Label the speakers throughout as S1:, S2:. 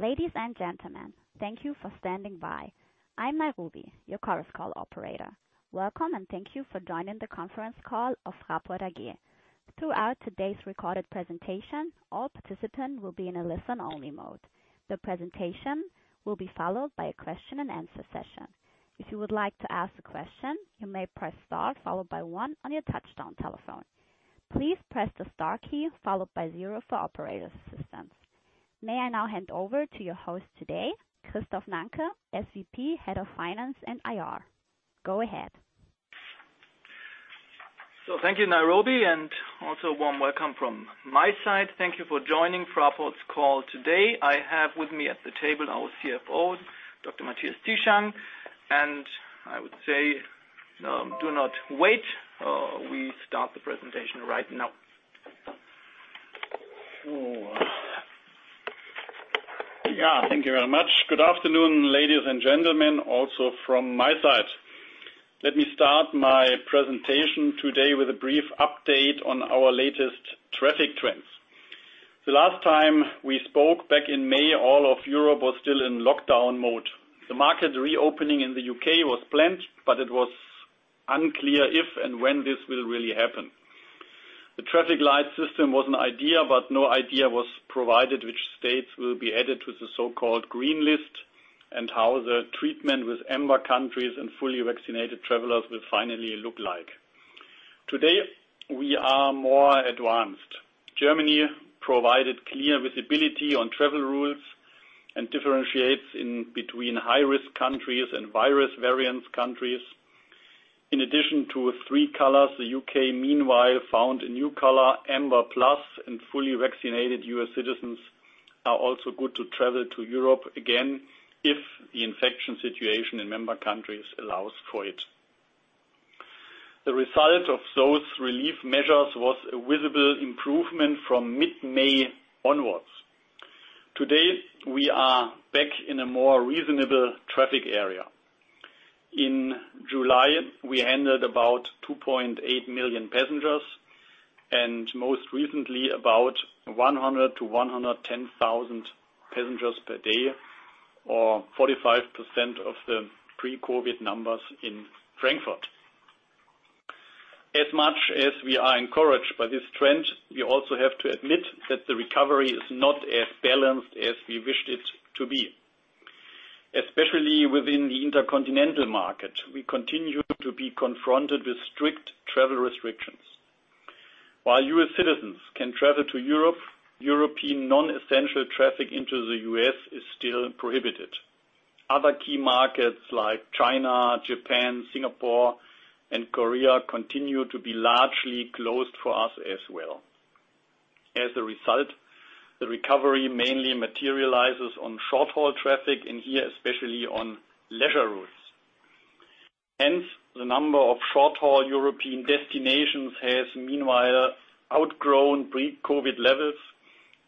S1: Ladies and gentlemen, thank you for standing by. I'm Nairobi, your Chorus Call operator. Welcome, and thank you for joining the conference call of Fraport AG. Throughout today's recorded presentation, all participants will be in a listen-only mode. The presentation will be followed by a question-and-answer session. If you would like to ask a question, you may press star followed by one on your touchtone telephone. Please press the star key followed by zero for operator assistance. May I now hand over to your host today, Christoph Nanke, SVP, Head of Finance and IR. Go ahead.
S2: Thank you, Nairobi, and also warm welcome from my side. Thank you for joining Fraport's call today. I have with me at the table our CFO, Dr Matthias Zieschang, and I would say, do not wait. We start the presentation right now.
S3: Thank you very much. Good afternoon, ladies and gentlemen, also from my side. Let me start my presentation today with a brief update on our latest traffic trends. The last time we spoke back in May, all of Europe was still in lockdown mode. The market reopening in the U.K. was planned, but it was unclear if and when this will really happen. The traffic light system was an idea, but no idea was provided which states will be added to the so-called green list, and how the treatment with amber countries and fully vaccinated travelers will finally look like. Today, we are more advanced. Germany provided clear visibility on travel rules and differentiates between high-risk countries and virus variant countries. In addition to three colors, the U.K. meanwhile found a new color, Amber Plus, and fully vaccinated U.S. citizens are also good to travel to Europe again if the infection situation in member countries allows for it. The result of those relief measures was a visible improvement from mid-May onwards. Today, we are back in a more reasonable traffic area. In July, we handled about 2.8 million passengers, and most recently about 100,000-110,000 passengers per day, or 45% of the pre-COVID-19 numbers in Frankfurt. As much as we are encouraged by this trend, we also have to admit that the recovery is not as balanced as we wished it to be. Especially within the intercontinental market, we continue to be confronted with strict travel restrictions. While U.S. citizens can travel to Europe, European non-essential traffic into the U.S. is still prohibited. Other key markets like China, Japan, Singapore, and Korea continue to be largely closed for us as well. As a result, the recovery mainly materializes on short-haul traffic, and here, especially on leisure routes. Hence, the number of short-haul European destinations has meanwhile outgrown pre-COVID levels.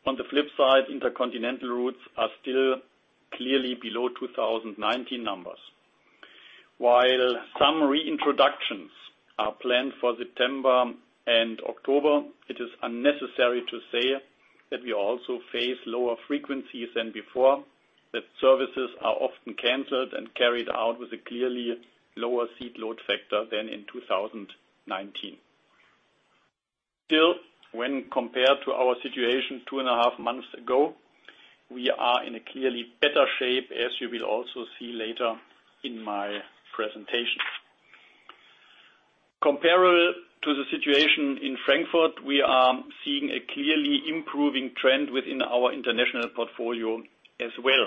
S3: On the flip side, intercontinental routes are still clearly below 2019 numbers. While some reintroductions are planned for September and October, it is unnecessary to say that we also face lower frequencies than before, that services are often canceled and carried out with a clearly lower seat load factor than in 2019. Still, when compared to our situation two and a half months ago, we are in a clearly better shape, as you will also see later in my presentation. Comparable to the situation in Frankfurt, we are seeing a clearly improving trend within our international portfolio as well.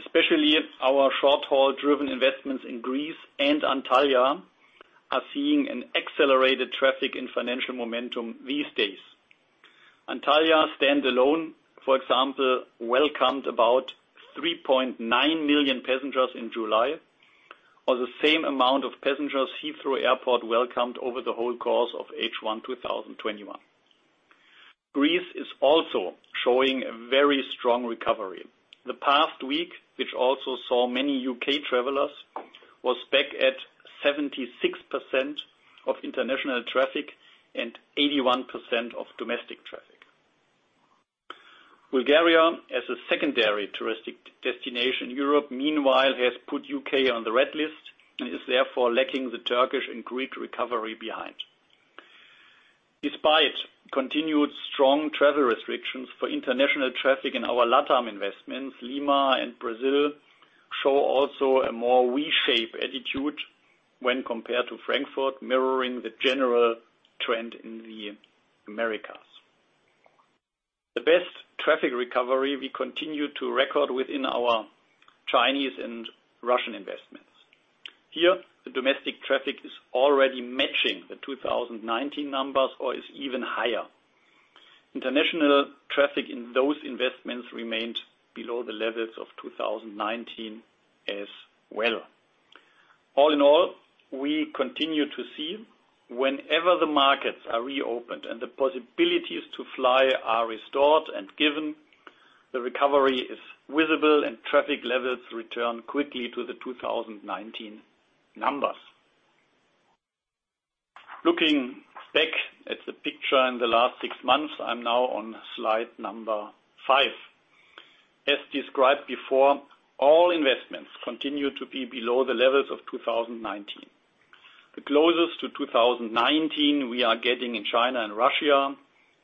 S3: Especially our short-haul driven investments in Greece and Antalya are seeing an accelerated traffic and financial momentum these days. Antalya standalone, for example, welcomed about 3.9 million passengers in July, or the same amount of passengers Heathrow Airport welcomed over the whole course of H1 2021. Greece is also showing a very strong recovery. The past week, which also saw many U.K. travelers, was back at 76% of international traffic and 81% of domestic traffic. Bulgaria, as a secondary touristic destination, Europe meanwhile has put U.K. on the red list and is therefore lacking the Turkish and Greek recovery behind. Despite continued strong travel restrictions for international traffic in our LATAM investments, Lima and Brazil show also a more V-shape attitude when compared to Frankfurt, mirroring the general trend in the Americas. The best traffic recovery we continue to record within our Chinese and Russian investments. Here, the domestic traffic is already matching the 2019 numbers or is even higher. International traffic in those investments remained below the levels of 2019 as well. All in all, we continue to see whenever the markets are reopened and the possibilities to fly are restored and given, the recovery is visible and traffic levels return quickly to the 2019 numbers. Looking back at the picture in the last six months, I'm now on slide number five. As described before, all investments continue to be below the levels of 2019. The closest to 2019 we are getting in China and Russia,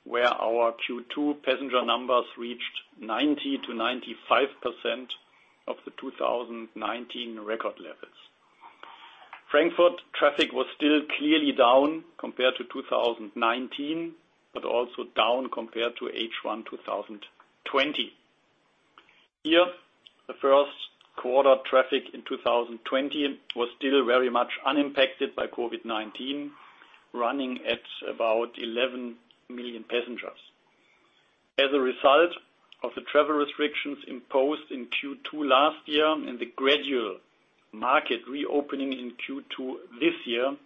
S3: where our Q2 passenger numbers reached 90%-95% of the 2019 record levels. Frankfurt traffic was still clearly down compared to 2019, but also down compared to H1 2020. Here, the first quarter traffic in 2020 was still very much unimpacted by COVID-19, running at about 11 million passengers. As a result of the travel restrictions imposed in Q2 last year and the gradual market reopening in Q2 this year,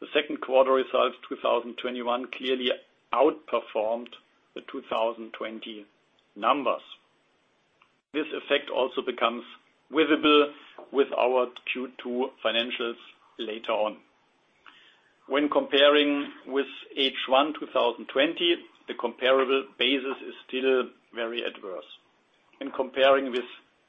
S3: the second quarter results 2021 clearly outperformed the 2020 numbers. This effect also becomes visible with our Q2 financials later on. When comparing with H1 2020, the comparable basis is still very adverse. In comparing with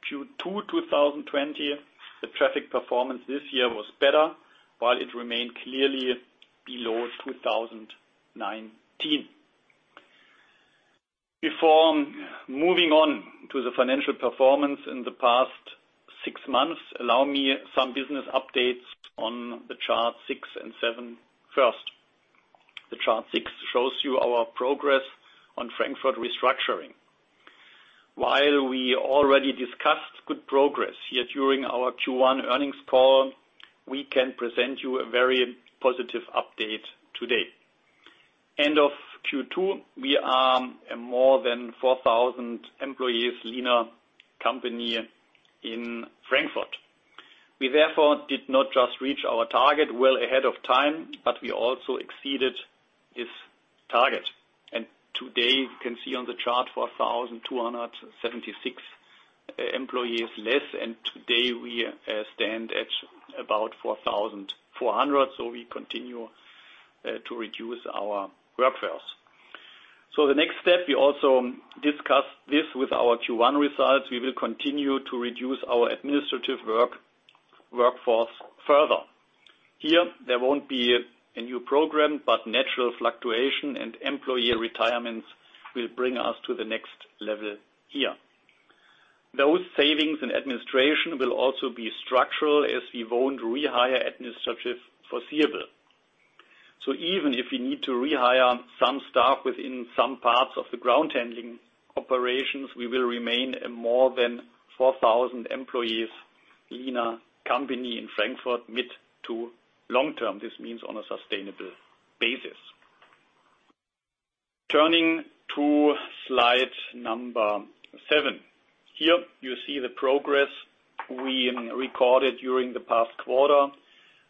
S3: Q2 2020, the traffic performance this year was better, while it remained clearly below 2019. Before moving on to the financial performance in the past six months, allow me some business updates on the chart 6 and 7 first. The chart 6 shows you our progress on Frankfurt restructuring. While we already discussed good progress here during our Q1 earnings call, we can present you a very positive update today. End of Q2, we are a more than 4,000 employees leaner company in Frankfurt. We therefore did not just reach our target well ahead of time, but we also exceeded its target. Today you can see on the chart 4,276 employees less, and today we stand at about 4,400. We continue to reduce our workforce. The next step, we also discussed this with our Q1 results. We will continue to reduce our administrative workforce further. Here, there won't be a new program, but natural fluctuation and employee retirements will bring us to the next level here. Those savings and administration will also be structural, as we won't rehire administrative foreseeable. Even if we need to rehire some staff within some parts of the ground handling operations, we will remain a more than 4,000 employees leaner company in Frankfurt mid to long term. This means on a sustainable basis. Turning to slide number seven. Here you see the progress we recorded during the past quarter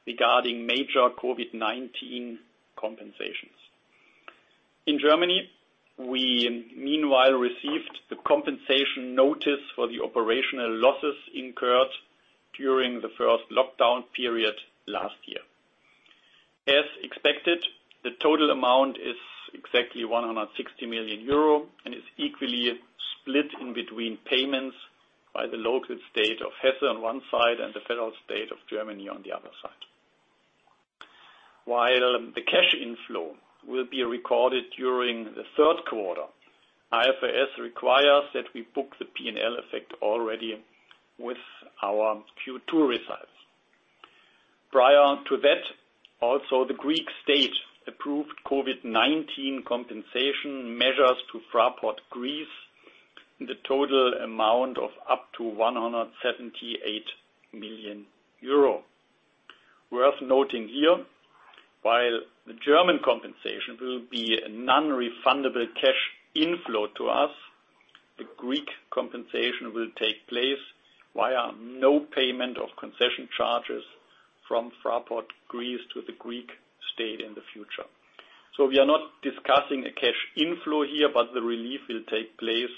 S3: regarding major COVID-19 compensations. In Germany, we meanwhile received the compensation notice for the operational losses incurred during the first lockdown period last year. As expected, the total amount is exactly 160 million euro and is equally split in between payments by the local state of Hesse on one side and the federal state of Germany on the other side. While the cash inflow will be recorded during the third quarter, IFRS requires that we book the P&L effect already with our Q2 results. Prior to that, also the Greek state approved COVID-19 compensation measures to Fraport Greece in the total amount of up to 178 million euro. Worth noting here, while the German compensation will be a non-refundable cash inflow to us, the Greek compensation will take place via no payment of concession charges from Fraport Greece to the Greek state in the future. We are not discussing a cash inflow here, but the relief will take place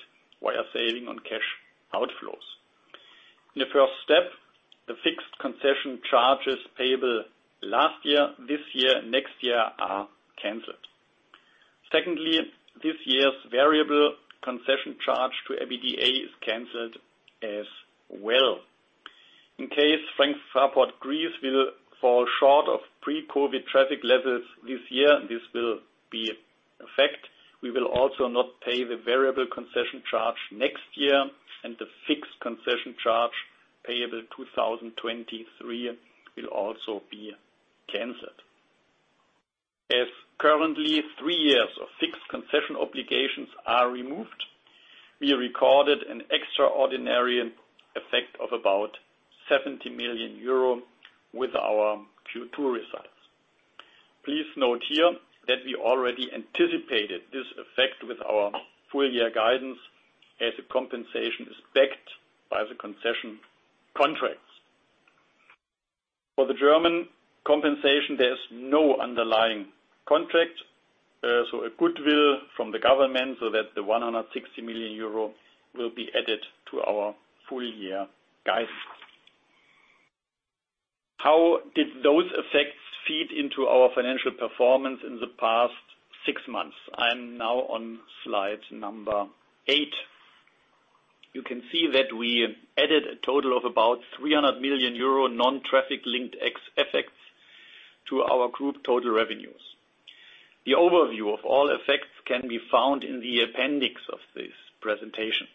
S3: via saving on cash outflows. In the first step, the fixed concession charges payable last year, this year, next year are canceled. Secondly, this year's variable concession charge to EBITDA is canceled as well. In case Fraport Greece will fall short of pre-COVID traffic levels this year, this will be a fact. We will also not pay the variable concession charge next year and the fixed concession charge payable 2023 will also be canceled. As currently three years of fixed concession obligations are removed, we recorded an extraordinary effect of about 70 million euro with our Q2 results. Please note here that we already anticipated this effect with our full year guidance as the compensation is backed by the concession contracts. For the German compensation, there is no underlying contract. A goodwill from the government so that the 160 million euro will be added to our full year guidance. How did those effects feed into our financial performance in the past six months? I'm now on slide number eight. You can see that we added a total of about 300 million euro non-traffic linked X effects to our group total revenues. The overview of all effects can be found in the appendix of this presentation.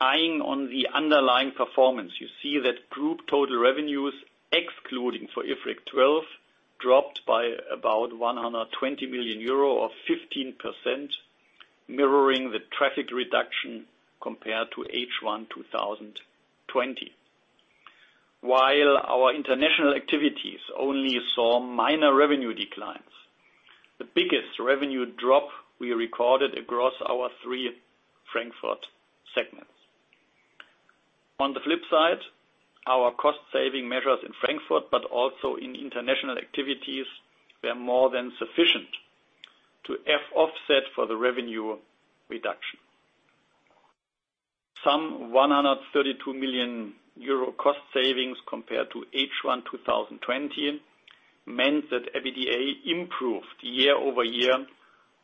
S3: Eyeing on the underlying performance, you see that group total revenues, excluding for IFRIC 12, dropped by about 120 million euro or 15%, mirroring the traffic reduction compared to H1 2020. While our international activities only saw minor revenue declines, the biggest revenue drop we recorded across our three Frankfurt segments. Our cost saving measures in Frankfurt, but also in international activities, were more than sufficient to offset for the revenue reduction. Some 132 million euro cost savings compared to H1 2020 meant that EBITDA improved year-over-year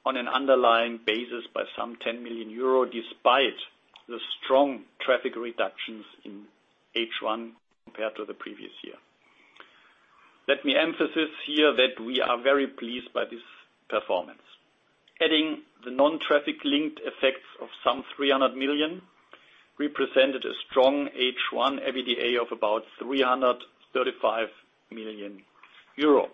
S3: on an underlying basis by some 10 million euro, despite the strong traffic reductions in H1 compared to the previous year. Let me emphasize here that we are very pleased by this performance. Adding the non-traffic linked effects of some 300 million represented a strong H1 EBITDA of about 335 million euro.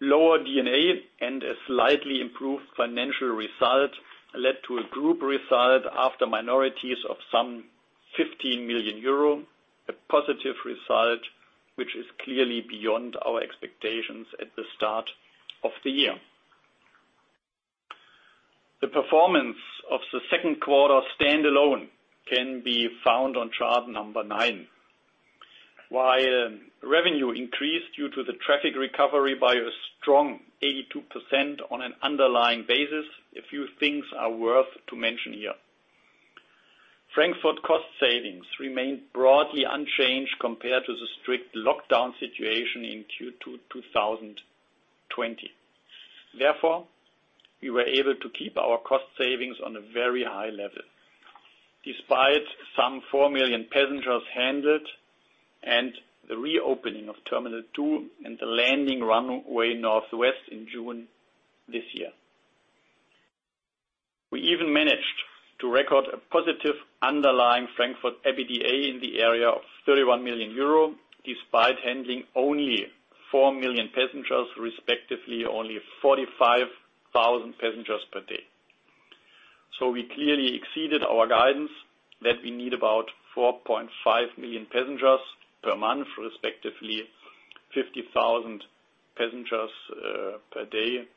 S3: Lower D&A and a slightly improved financial result led to a group result after minorities of some 15 million euro, a positive result which is clearly beyond our expectations at the start of the year. The performance of the second quarter standalone can be found on chart number nine. While revenue increased due to the traffic recovery by a strong 82% on an underlying basis, a few things are worth to mention here. Frankfurt cost savings remained broadly unchanged compared to the strict lockdown situation in Q2 2020. Therefore, we were able to keep our cost savings on a very high level despite some 4 million passengers handled and the reopening of Terminal 2 and the Landing Runway Northwest in June this year. We even managed to record a positive underlying Frankfurt EBITDA in the area of 31 million euro, despite handling only 4 million passengers, respectively, only 45,000 passengers per day. We clearly exceeded our guidance that we need about 4.5 million passengers per month, respectively, 50,000 passengers per day.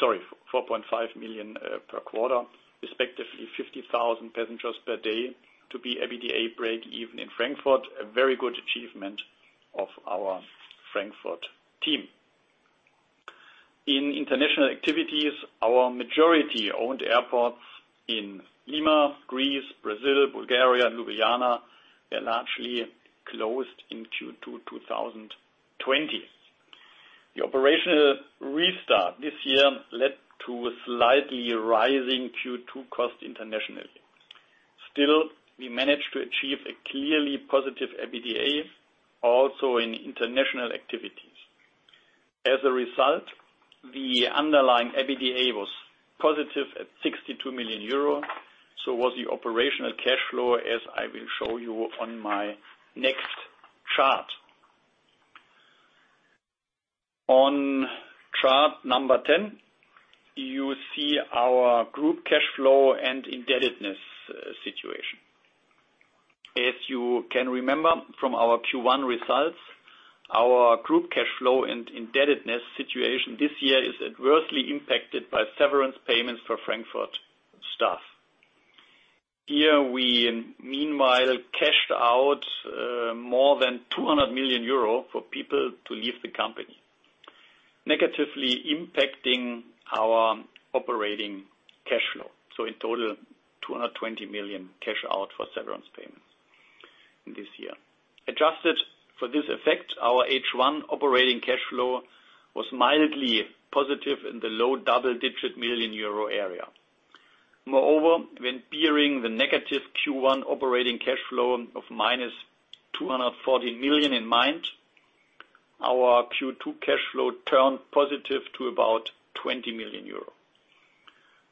S3: Sorry, 4.5 million per quarter, respectively 50,000 passengers per day to be EBITDA break even in Frankfurt, a very good achievement of our Frankfurt team. In international activities, our majority owned airports in Lima, Greece, Brazil, Bulgaria, and Ljubljana, were largely closed in Q2 2020. The operational restart this year led to a slightly rising Q2 cost internationally. Still, we managed to achieve a clearly positive EBITDA also in international activities. As a result, the underlying EBITDA was positive at 62 million euro, so was the operational cash flow, as I will show you on my next chart. On chart number 10, you see our group cash flow and indebtedness situation. If you can remember from our Q1 results, our group cash flow and indebtedness situation this year is adversely impacted by severance payments for Frankfurt staff. Here we, meanwhile, cashed out more than 200 million euro for people to leave the company, negatively impacting our operating cash flow. In total, 220 million cash out for severance payments this year. Adjusted for this effect, our H1 operating cash flow was mildly positive in the low double-digit million EUR area. When bearing the negative Q1 operating cash flow of -240 million in mind, our Q2 cash flow turned positive to about 20 million euro.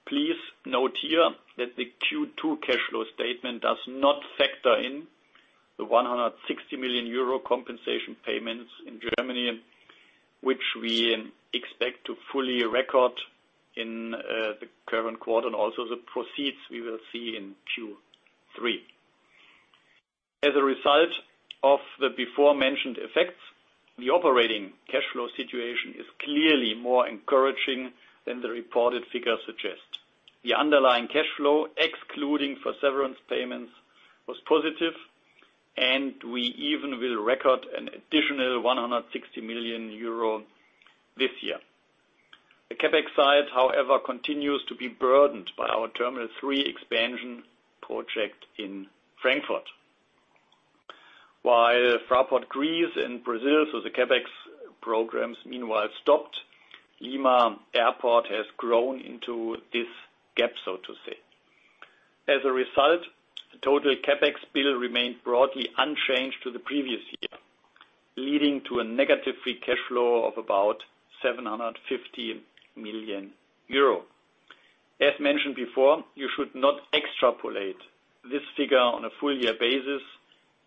S3: Please note here that the Q2 cash flow statement does not factor in the 160 million euro compensation payments in Germany, which we expect to fully record in the current quarter, and also the proceeds we will see in Q3. As a result of the before mentioned effects, the operating cash flow situation is clearly more encouraging than the reported figures suggest. The underlying cash flow, excluding for severance payments, was positive. We even will record an additional 160 million euro this year. The CapEx side, however, continues to be burdened by our Terminal 3 expansion project in Frankfurt. While Fraport Greece and Brazil, so the CapEx programs, meanwhile stopped, Lima Airport has grown into this gap, so to say. As a result, total CapEx bill remained broadly unchanged to the previous year, leading to a negative free cash flow of about 750 million euro. As mentioned before, you should not extrapolate this figure on a full year basis,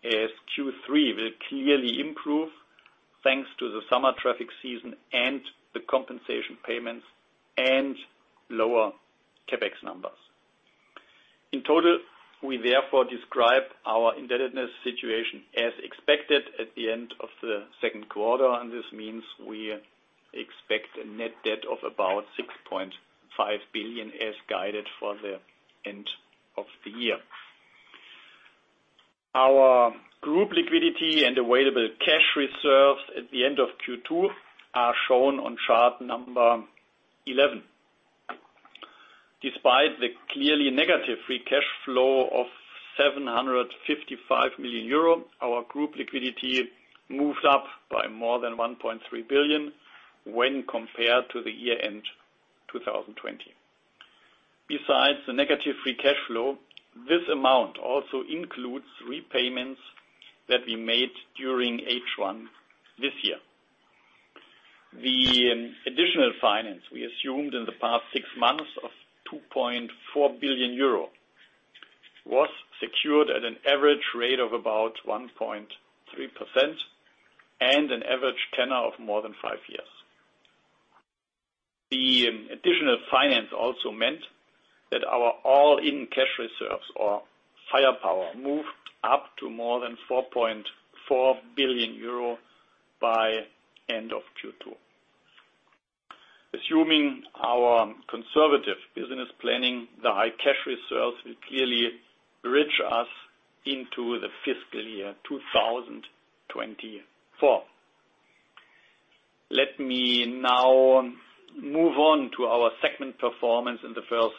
S3: as Q3 will clearly improve thanks to the summer traffic season and the compensation payments and lower CapEx numbers. In total, we therefore describe our indebtedness situation as expected at the end of the second quarter, and this means we expect a net debt of about 6.5 billion as guided for the end of the year. Our group liquidity and available cash reserves at the end of Q2 are shown on chart number 11. Despite the clearly negative free cash flow of 755 million euro, our group liquidity moved up by more than 1.3 billion when compared to the year-end 2020. Besides the negative free cash flow, this amount also includes repayments that we made during H1 this year. The additional finance we assumed in the past six months of 2.4 billion euro was secured at an average rate of about 1.3% and an average tenor of more than 5 years. The additional finance also meant that our all-in cash reserves or firepower moved up to more than 4.4 billion euro by end of Q2. Assuming our conservative business planning, the high cash reserves will clearly bridge us into the fiscal year 2024. Let me now move on to our segment performance in the first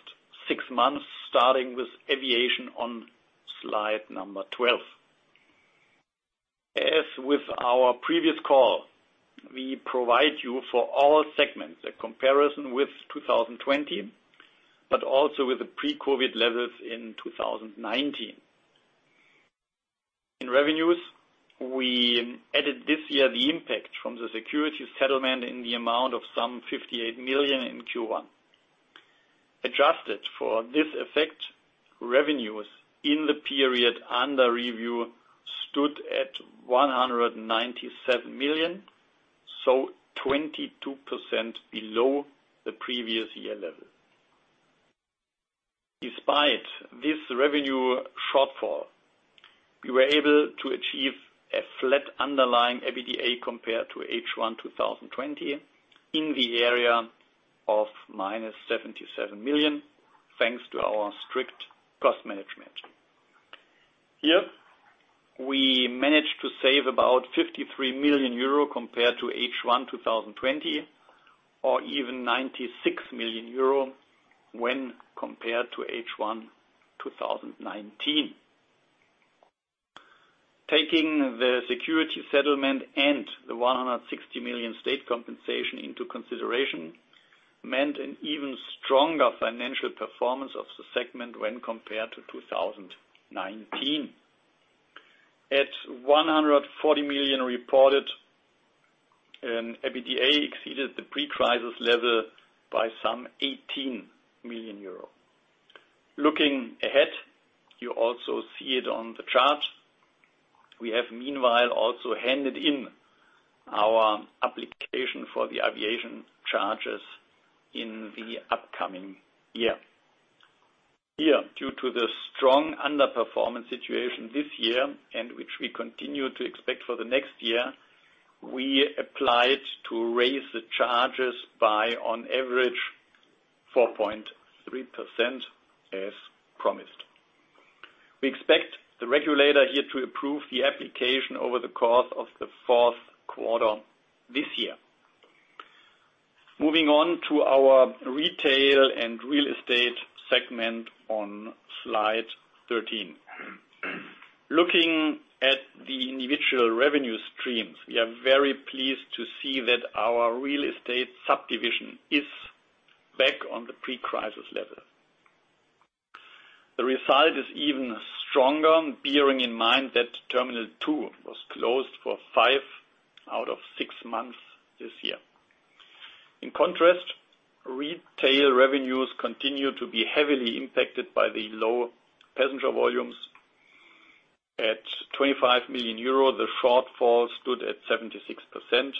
S3: six months, starting with aviation on slide number 12. As with our previous call, we provide you for all segments a comparison with 2020, but also with the pre-COVID levels in 2019. In revenues, we added this year the impact from the security settlement in the amount of some 58 million in Q1. Adjusted for this effect, revenues in the period under review stood at 197 million, so 22% below the previous year level. Despite this revenue shortfall, we were able to achieve a flat underlying EBITDA compared to H1 2020 in the area of -77 million, thanks to our strict cost management. Here, we managed to save about 53 million euro compared to H1 2020 or even 96 million euro when compared to H1 2019. Taking the security settlement and the 160 million state compensation into consideration meant an even stronger financial performance of the segment when compared to 2019. At EUR 140 million reported, EBITDA exceeded the pre-crisis level by some 18 million euro. Looking ahead, you also see it on the chart, we have meanwhile also handed in our application for the aviation charges in the upcoming year. Here, due to the strong underperformance situation this year, and which we continue to expect for the next year, we applied to raise the charges by on average 4.3% as promised. We expect the regulator here to approve the application over the course of the fourth quarter this year. Moving on to our retail and real estate segment on slide 13. Looking at the individual revenue streams, we are very pleased to see that our real estate subdivision is back on the pre-crisis level. The result is even stronger, bearing in mind that Terminal 2 was closed for five out of six months this year. In contrast, retail revenues continue to be heavily impacted by the low passenger volumes. At 25 million euro, the shortfall stood at 76%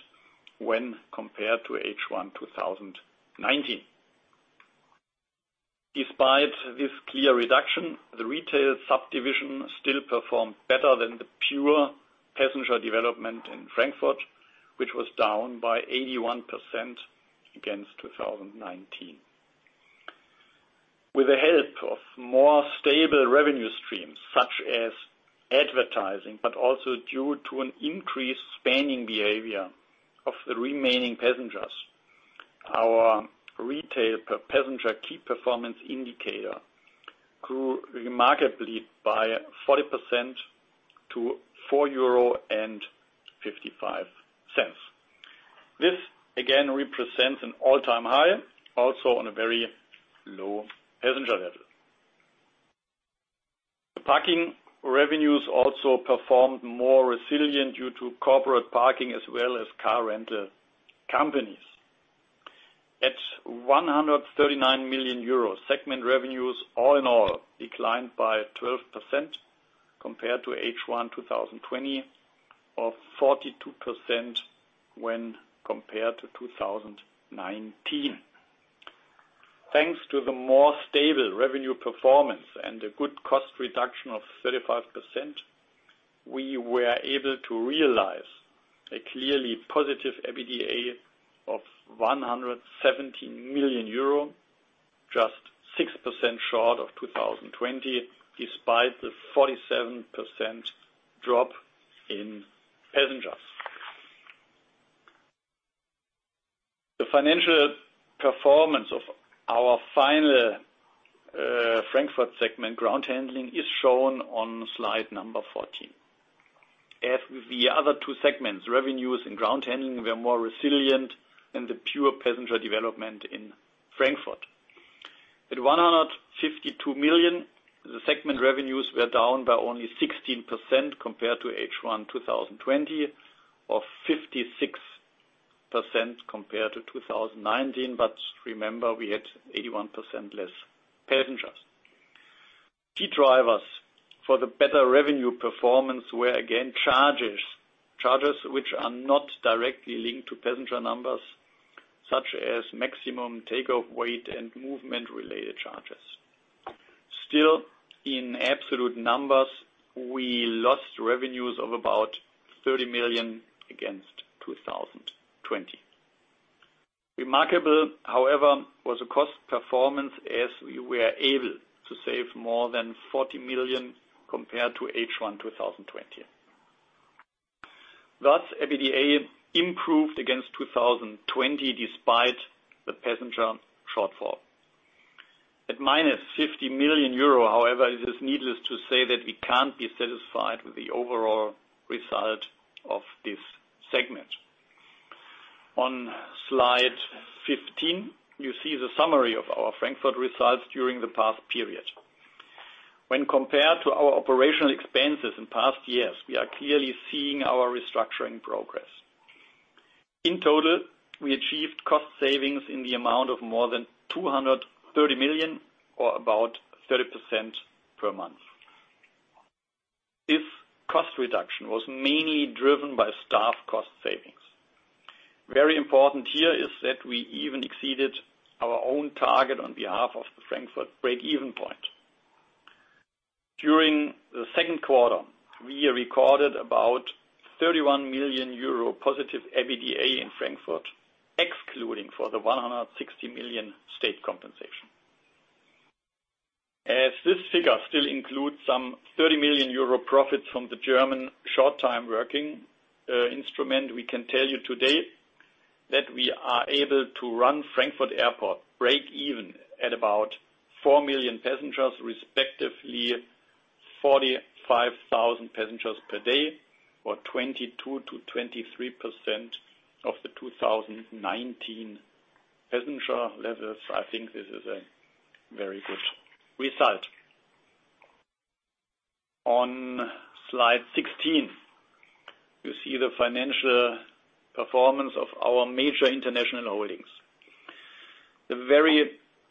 S3: when compared to H1 2019. Despite this clear reduction, the retail subdivision still performed better than the pure passenger development in Frankfurt, which was down by 81% against 2019.With the help of more stable revenue streams, such as advertising, but also due to an increased spending behavior of the remaining passengers, our retail per passenger key performance indicator grew remarkably by 40% to 4.55 euro. This again represents an all-time high, also on a very low passenger level. The parking revenues also performed more resilient due to corporate parking as well as car rental companies. At 139 million euros, segment revenues all in all declined by 12% compared to H1 2020 or 42% when compared to 2019. Thanks to the more stable revenue performance and the good cost reduction of 35%, we were able to realize a clearly positive EBITDA of 117 million euro, just 6% short of 2020, despite the 47% drop in passengers. The financial performance of our final Frankfurt segment, ground handling, is shown on slide number 14. As with the other two segments, revenues and ground handling were more resilient than the pure passenger development in Frankfurt. At 152 million, the segment revenues were down by only 16% compared to H1 2020 or 56% compared to 2019. Remember, we had 81% less passengers. Key drivers for the better revenue performance were, again, charges. Charges which are not directly linked to passenger numbers, such as maximum takeoff weight and movement-related charges. In absolute numbers, we lost revenues of about 30 million against 2020. Remarkable, however, was the cost performance, as we were able to save more than 40 million compared to H1 2020. EBITDA improved against 2020 despite the passenger shortfall. At -50 million euro, however, it is needless to say that we can't be satisfied with the overall result of this segment. On slide 15, you see the summary of our Frankfurt results during the past period. When compared to our operational expenses in past years, we are clearly seeing our restructuring progress. In total, we achieved cost savings in the amount of more than 230 million or about 30% per month. This cost reduction was mainly driven by staff cost savings. Very important here is that we even exceeded our own target on behalf of the Frankfurt break-even point. During the second quarter, we recorded about 31 million euro positive EBITDA in Frankfurt, excluding for the 160 million state compensation. As this figure still includes some 30 million euro profit from the German short-time working instrument, we can tell you today that we are able to run Frankfurt Airport break even at about 4 million passengers, respectively 45,000 passengers per day or 22%-23% of the 2019 passenger levels. I think this is a very good result. On slide 16, you see the financial performance of our major international holdings. The very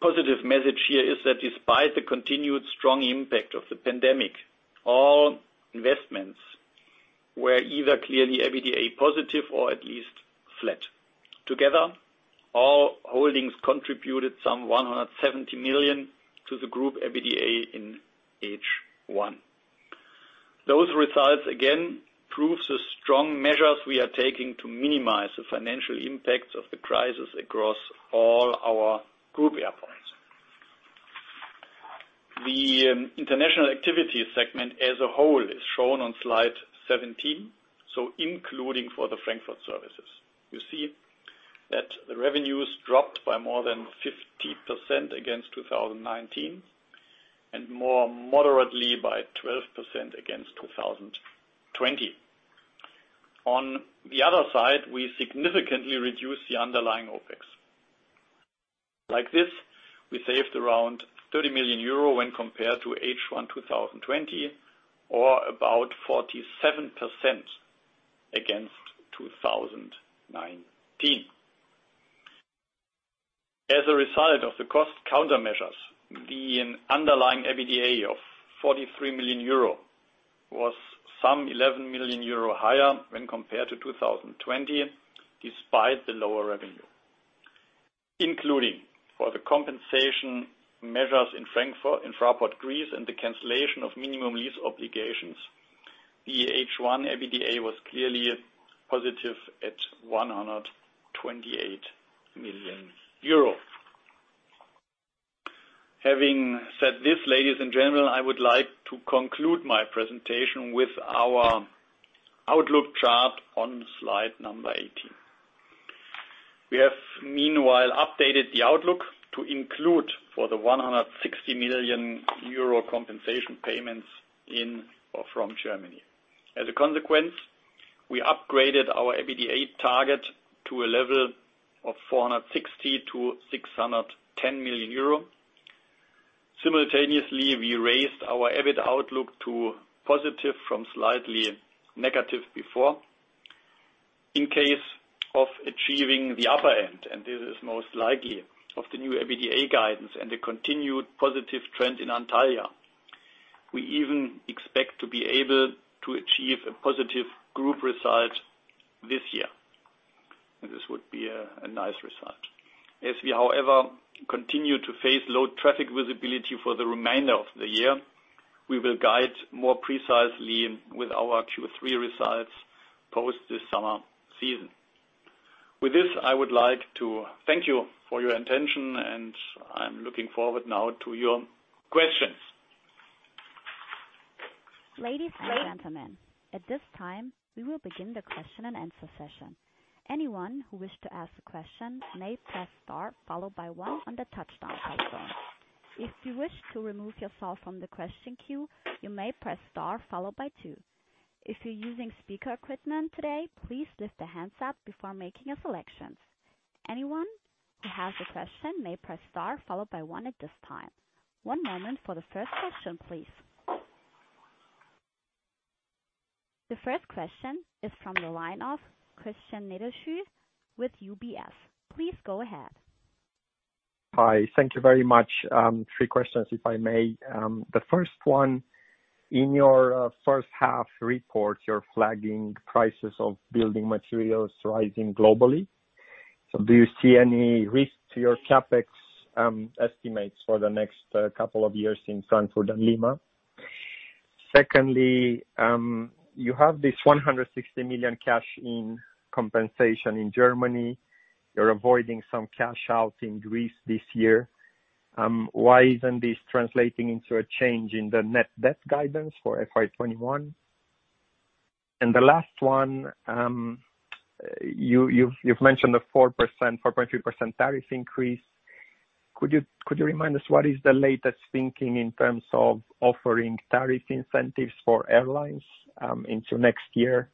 S3: positive message here is that despite the continued strong impact of the pandemic, all investments were either clearly EBITDA positive or at least flat. Together, all holdings contributed some 170 million to the group EBITDA in H1. Those results, again, proves the strong measures we are taking to minimize the financial impacts of the crisis across all our group airports. The international activity segment as a whole is shown on slide 17, so including for the Frankfurt services. You see that the revenues dropped by more than 50% against 2019, and more moderately by 12% against 2020. On the other side, we significantly reduced the underlying OpEx. Like this, we saved around 30 million euro when compared to H1 2020 or about 47% against 2019. As a result of the cost countermeasures, the underlying EBITDA of 43 million euro was some 11 million euro higher when compared to 2020, despite the lower revenue. Including for the compensation measures in Frankfurt, in Fraport Greece and the cancellation of minimum lease obligations. The H1 EBITDA was clearly positive at 128 million euro. Having said this, ladies and gentlemen, I would like to conclude my presentation with our outlook chart on slide number 18. We have meanwhile updated the outlook to include for the 160 million euro compensation payments in or from Germany. As a consequence, we upgraded our EBITDA target to a level of 460 million-610 million euro. Simultaneously, we raised our EBIT outlook to positive from slightly negative before. In case of achieving the upper end, and this is most likely, of the new EBITDA guidance and the continued positive trend in Antalya, we even expect to be able to achieve a positive group result this year. This would be a nice result. As we, however, continue to face low traffic visibility for the remainder of the year, we will guide more precisely with our Q3 results post this summer season. With this, I would like to thank you for your attention, and I'm looking forward now to your questions.
S1: Ladies and gentlemen, at this time, we will begin the question-and-answer session. Anyone who wish to ask a question may press star followed by one on the touchtone telephone. If you wish to remove yourself from the question queue, you may press star followed by two. If you're using speaker equipment today, please lift the handset before making a selection. Anyone who has a question may press star followed by one at this time. One moment for the first question, please. The first question is from the line of Cristian Nedelcu with UBS. Please go ahead.
S4: Hi. Thank you very much. Three questions, if I may. The first one, in your first half report, you're flagging prices of building materials rising globally. Do you see any risk to your CapEx estimates for the next couple of years in Frankfurt and Lima? Secondly, you have this 160 million cash in compensation in Germany. You're avoiding some cash out in Greece this year. Why isn't this translating into a change in the net debt guidance for FY 2021? The last one, you've mentioned a 4.3% tariff increase. Could you remind us what is the latest thinking in terms of offering tariff incentives for airlines into next year?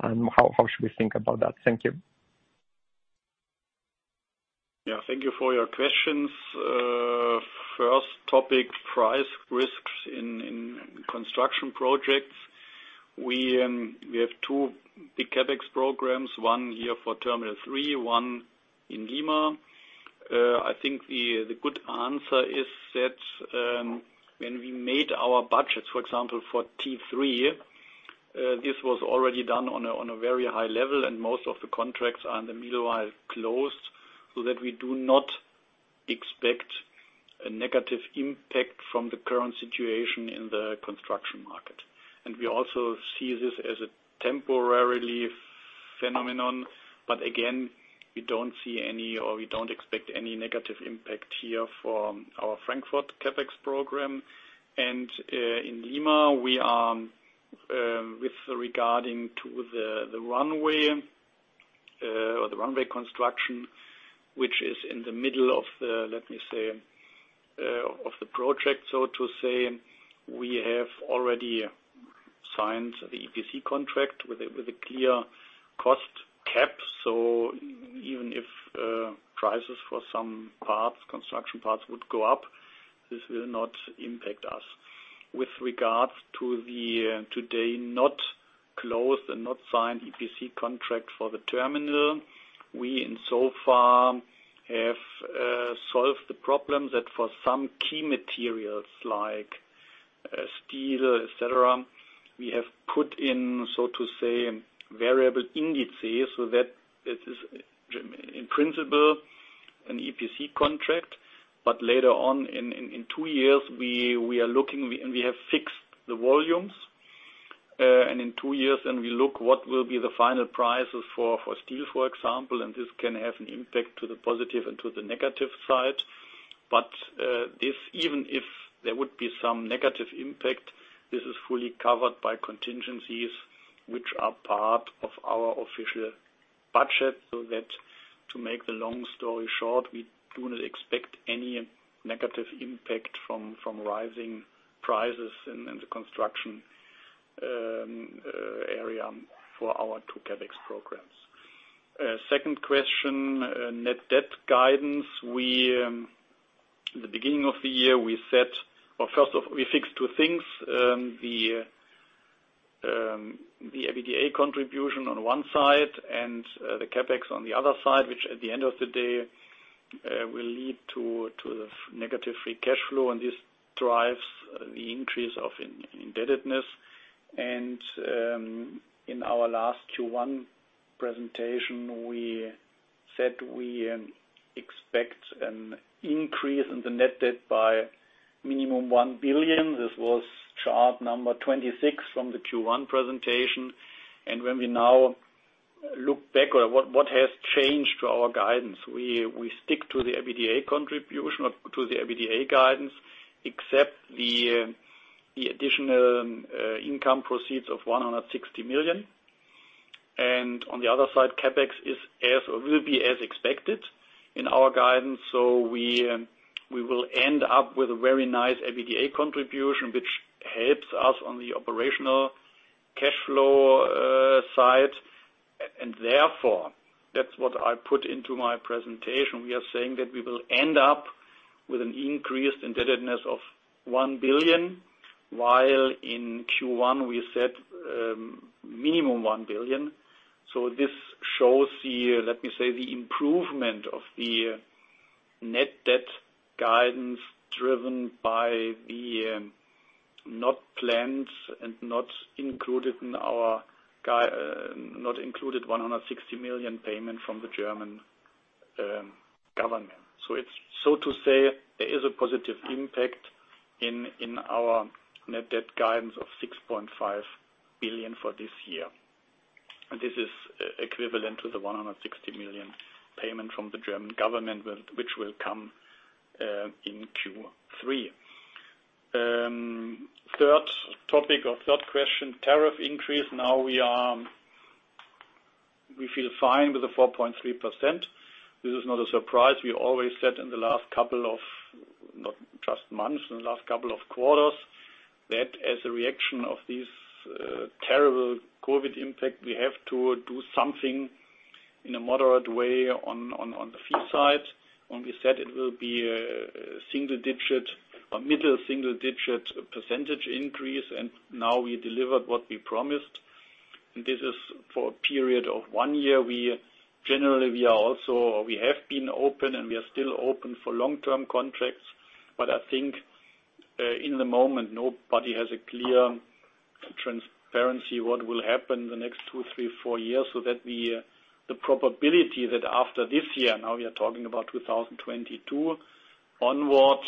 S4: How should we think about that? Thank you.
S3: Yeah, thank you for your questions. First topic, price risks in construction projects. We have two big CapEx programs, one here for Terminal 3, one in Lima. I think the good answer is that when we made our budgets, for example, for T3, this was already done on a very high level, and most of the contracts are in the meanwhile closed, so that we do not expect a negative impact from the current situation in the construction market. We also see this as a temporary phenomenon, but again, we don't see any, or we don't expect any negative impact here for our Frankfurt CapEx program. In Lima, with regarding to the runway construction, which is in the middle of the project, so to say, we have already signed the EPC contract with a clear cost cap. Even if prices for some construction parts would go up, this will not impact us. With regards to the today not closed and not signed EPC contract for the terminal, we insofar have solved the problem that for some key materials like steel, et cetera, we have put in, so to say, variable indices so that it is in principle an EPC contract. Later on in 2 years, we are looking, and we have fixed the volumes. In 2 years then we look what will be the final prices for steel, for example, and this can have an impact to the positive and to the negative side. Even if there would be some negative impact, this is fully covered by contingencies, which are part of our official budget, so that to make the long story short, we do not expect any negative impact from rising prices in the construction area for our two CapEx programs. Second question, net debt guidance. At the beginning of the year, we fixed two things. The EBITDA contribution on one side and the CapEx on the other side, which at the end of the day will lead to the negative free cash flow, and this drives the increase of indebtedness. In our last Q1 presentation, we said we expect an increase in the net debt by minimum 1 billion. This was chart number 26 from the Q1 presentation. When we now look back at what has changed to our guidance, we stick to the EBITDA contribution or to the EBITDA guidance, except the additional income proceeds of 160 million. On the other side, CapEx will be as expected in our guidance. We will end up with a very nice EBITDA contribution, which helps us on the operational cash flow side. Therefore, that's what I put into my presentation. We are saying that we will end up with an increased indebtedness of 1 billion, while in Q1 we said minimum 1 billion. This shows the, let me say, the improvement of the net debt guidance driven by the not planned and not included 160 million payment from the German government. To say, there is a positive impact in our net debt guidance of 6.5 billion for this year. This is equivalent to the 160 million payment from the German government, which will come in Q3. Third topic or third question, tariff increase. Now we feel fine with the 4.3%. This is not a surprise. We always said in the last couple of, not just months, in the last couple of quarters, that as a reaction of this terrible COVID-19 impact, we have to do something in a moderate way on the fee side. We said it will be a single digit or middle single digit percentage increase, and now we delivered what we promised. This is for a period of one year. We have been open and we are still open for long-term contracts. I think in the moment, nobody has a clear transparency what will happen the next two, three, four years. The probability that after this year, now we are talking about 2022 onwards,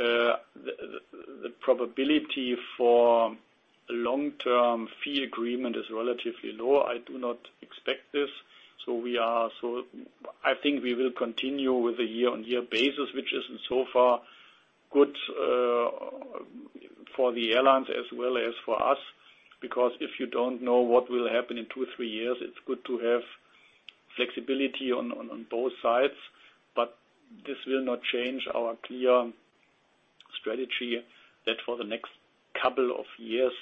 S3: the probability for long-term fee agreement is relatively low. I do not expect this. I think we will continue with the year-on-year basis, which is so far good for the airlines as well as for us, because if you don't know what will happen in two or three years, it's good to have flexibility on both sides. This will not change our clear strategy that for the next couple of years,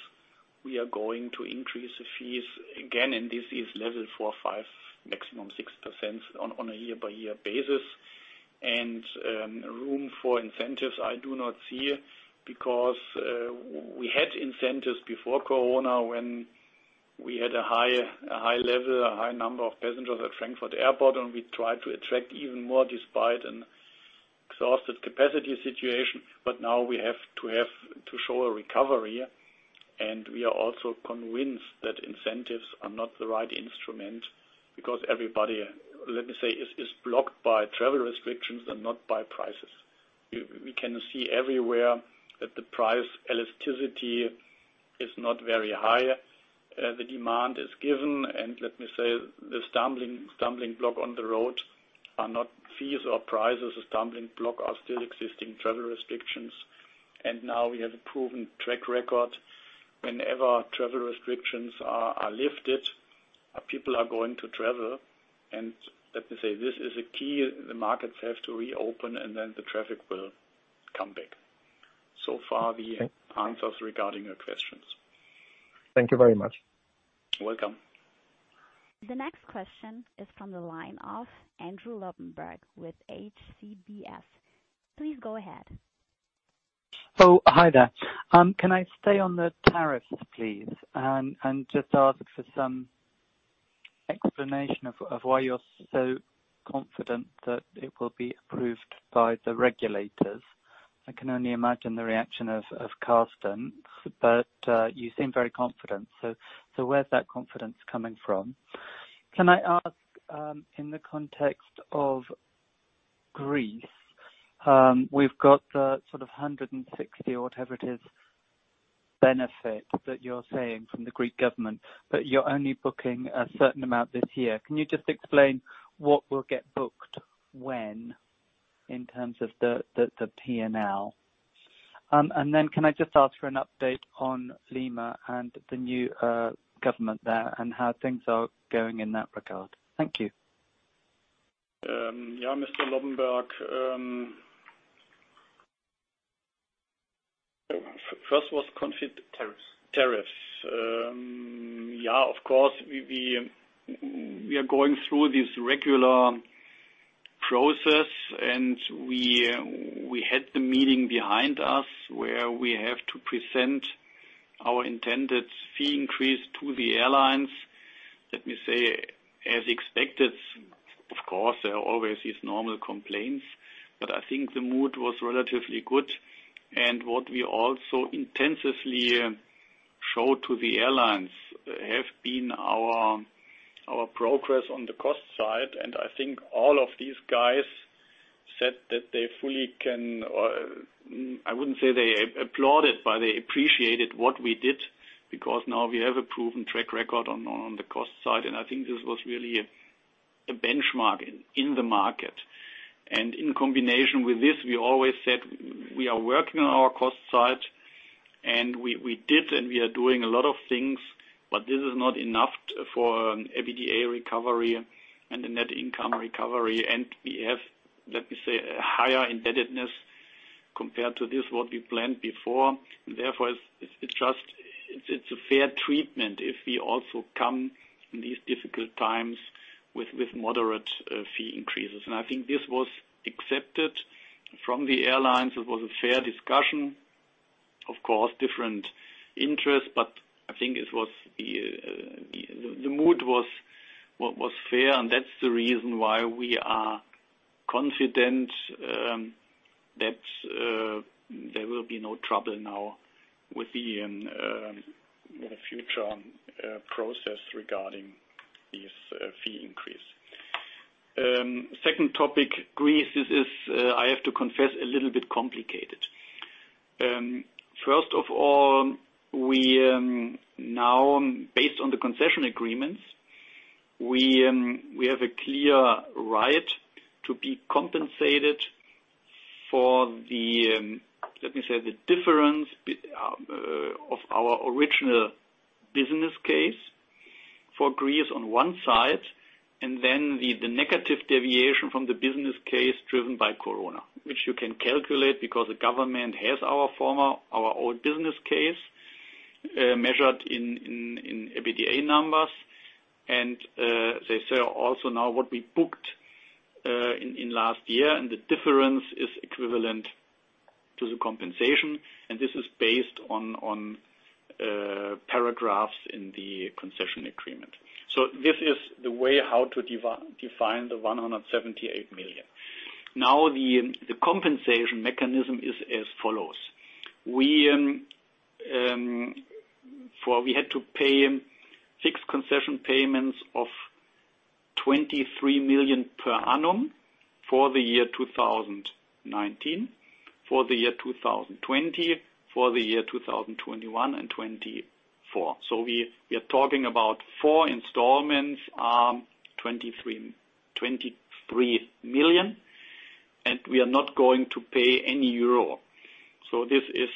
S3: we are going to increase the fees again, and this is level 4%, 5%, maximum 6% on a year-by-year basis. Room for incentives I do not see, because we had incentives before COVID when we had a high level, a high number of passengers at Frankfurt Airport, and we tried to attract even more despite an exhausted capacity situation. Now we have to show a recovery, and we are also convinced that incentives are not the right instrument because everybody, let me say, is blocked by travel restrictions and not by prices. We can see everywhere that the price elasticity is not very high. The demand is given, and let me say, the stumbling block on the road are not fees or prices. The stumbling block are still existing travel restrictions. Now we have a proven track record. Whenever travel restrictions are lifted, people are going to travel, and let me say, this is a key. The markets have to reopen, and then the traffic will come back. So far, the answers regarding your questions.
S4: Thank you very much.
S3: Welcome.
S1: The next question is from the line of Andrew Lobbenberg with HSBC. Please go ahead.
S5: Oh, hi there. Can I stay on the tariffs, please, and just ask for some explanation of why you're so confident that it will be approved by the regulators? I can only imagine the reaction of Carsten, but you seem very confident. Where's that confidence coming from? Can I ask, in the context of Greece, we've got the sort of 160 or whatever it is benefit that you're saying from the Greek government, but you're only booking a certain amount this year. Can you just explain what will get booked when in terms of the P&L? Then can I just ask for an update on Lima and the new government there and how things are going in that regard? Thank you.
S3: Yeah, Mr. Lobbenberg. First was?
S2: Tariffs.
S3: Tariffs. Yeah, of course, we are going through this regular process, and we had the meeting behind us where we have to present our intended fee increase to the airlines. Let me say, as expected, of course, there always is normal complaints, but I think the mood was relatively good. What we also intensively showed to the airlines have been our progress on the cost side, and I think all of these guys said that they fully can, I wouldn't say they applauded, but they appreciated what we did because now we have a proven track record on the cost side, and I think this was really a benchmark in the market. In combination with this, we always said we are working on our cost side, and we did, and we are doing a lot of things, but this is not enough for an EBITDA recovery and a net income recovery. We have, let me say, a higher indebtedness compared to this, what we planned before, and therefore it's a fair treatment if we also come in these difficult times with moderate fee increases. I think this was accepted from the airlines. It was a fair discussion. Of course, different interests, but I think the mood was fair and that's the reason why we are confident that there will be no trouble now with the future process regarding this fee increase. Second topic, Greece. This is, I have to confess, a little bit complicated. First of all, now, based on the concession agreements, we have a clear right to be compensated for the, let me say, the difference of our original business case for Greece on one side, and then the negative deviation from the business case driven by COVID-19, which you can calculate because the government has our old business case, measured in EBITDA numbers. They say also now what we booked in last year. The difference is equivalent to the compensation. This is based on paragraphs in the concession agreement. This is the way how to define the 178 million. Now, the compensation mechanism is as follows. We had to pay six concession payments of 23 million per annum for the year 2019, for the year 2020, for the year 2021 and 2024. We are talking about four installments, 23 million, and we are not going to pay any euro. This is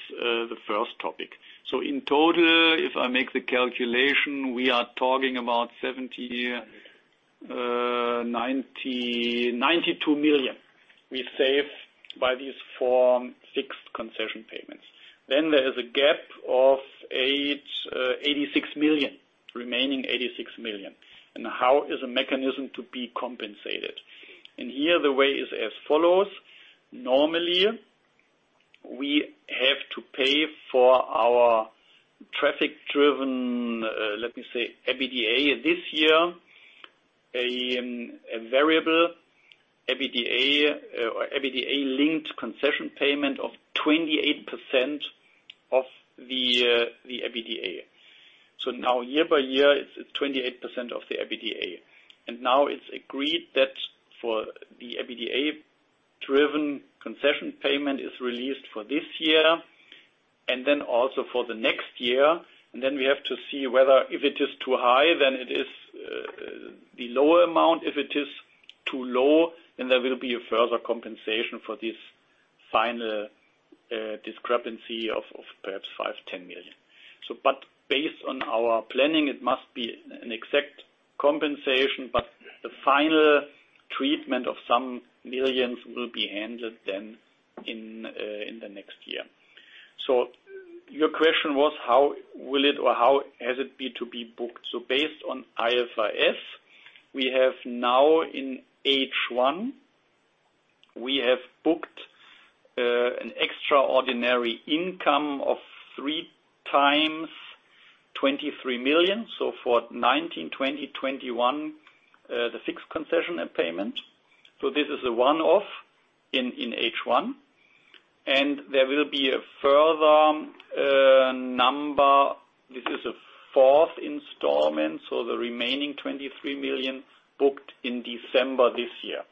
S3: the first topic. In total, if I make the calculation, we are talking about 92 million we save by these four fixed concession payments. Then there is a gap of 86 million, remaining 86 million. How is a mechanism to be compensated? Here the way is as follows. Normally, we have to pay for our traffic-driven, let me say, EBITDA this year, a variable EBITDA, or EBITDA-linked concession payment of 28% of the EBITDA. Now year by year, it's 28% of the EBITDA. Now it's agreed that for the EBITDA-driven concession payment is released for this year and then also for the next year. Then we have to see whether if it is too high, then it is the lower amount. If it is too low, there will be a further compensation for this final discrepancy of perhaps 5 million-10 million. Based on our planning, it must be an exact compensation, but the final treatment of some millions will be handled then in the next year. Your question was how will it or how has it be to be booked? Based on IFRS, we have now in H1, we have booked an extraordinary income of 3x EUR 23 million. For 2019, 2020, 2021, the fixed concession payment. This is a one-off in H1, and there will be a further number. This is a fourth installment, so the remaining 23 million booked in December this year.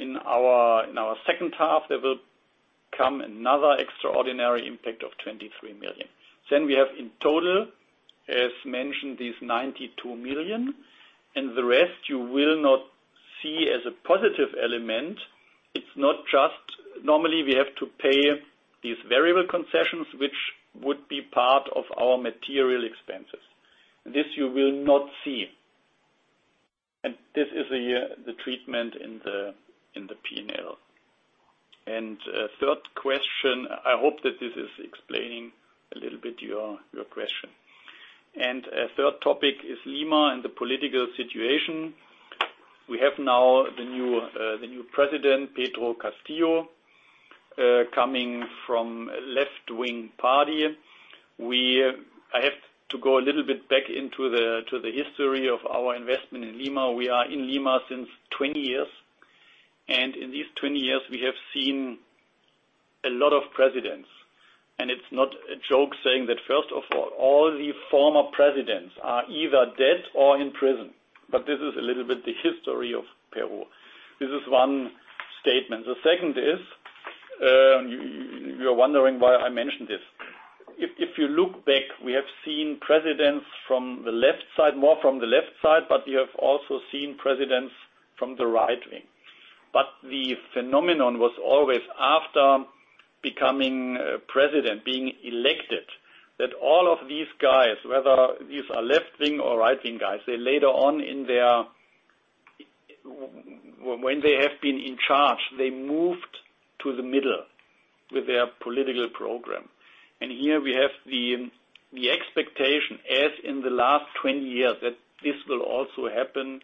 S3: In our second half, there will come another extraordinary impact of 23 million. We have in total, as mentioned, this 92 million, and the rest you will not see as a positive element. It's not just normally we have to pay these variable concessions, which would be part of our material expenses. This you will not see. This is the treatment in the P&L. Third question, I hope that this is explaining a little bit your question. Third topic is Lima and the political situation. We have now the new President, Pedro Castillo, coming from left-wing party. I have to go a little bit back into the history of our investment in Lima. We are in Lima since 20 years, and in these 20 years we have seen a lot of presidents, and it's not a joke saying that, first of all, the former presidents are either dead or in prison. This is a little bit the history of Peru. This is one statement. The second is, you're wondering why I mentioned this. If you look back, we have seen presidents from the left side, more from the left side, but we have also seen presidents from the right wing. The phenomenon was always after becoming president, being elected, that all of these guys, whether these are left wing or right wing guys, when they have been in charge, they moved to the middle with their political program. Here we have the expectation, as in the last 20 years, that this will also happen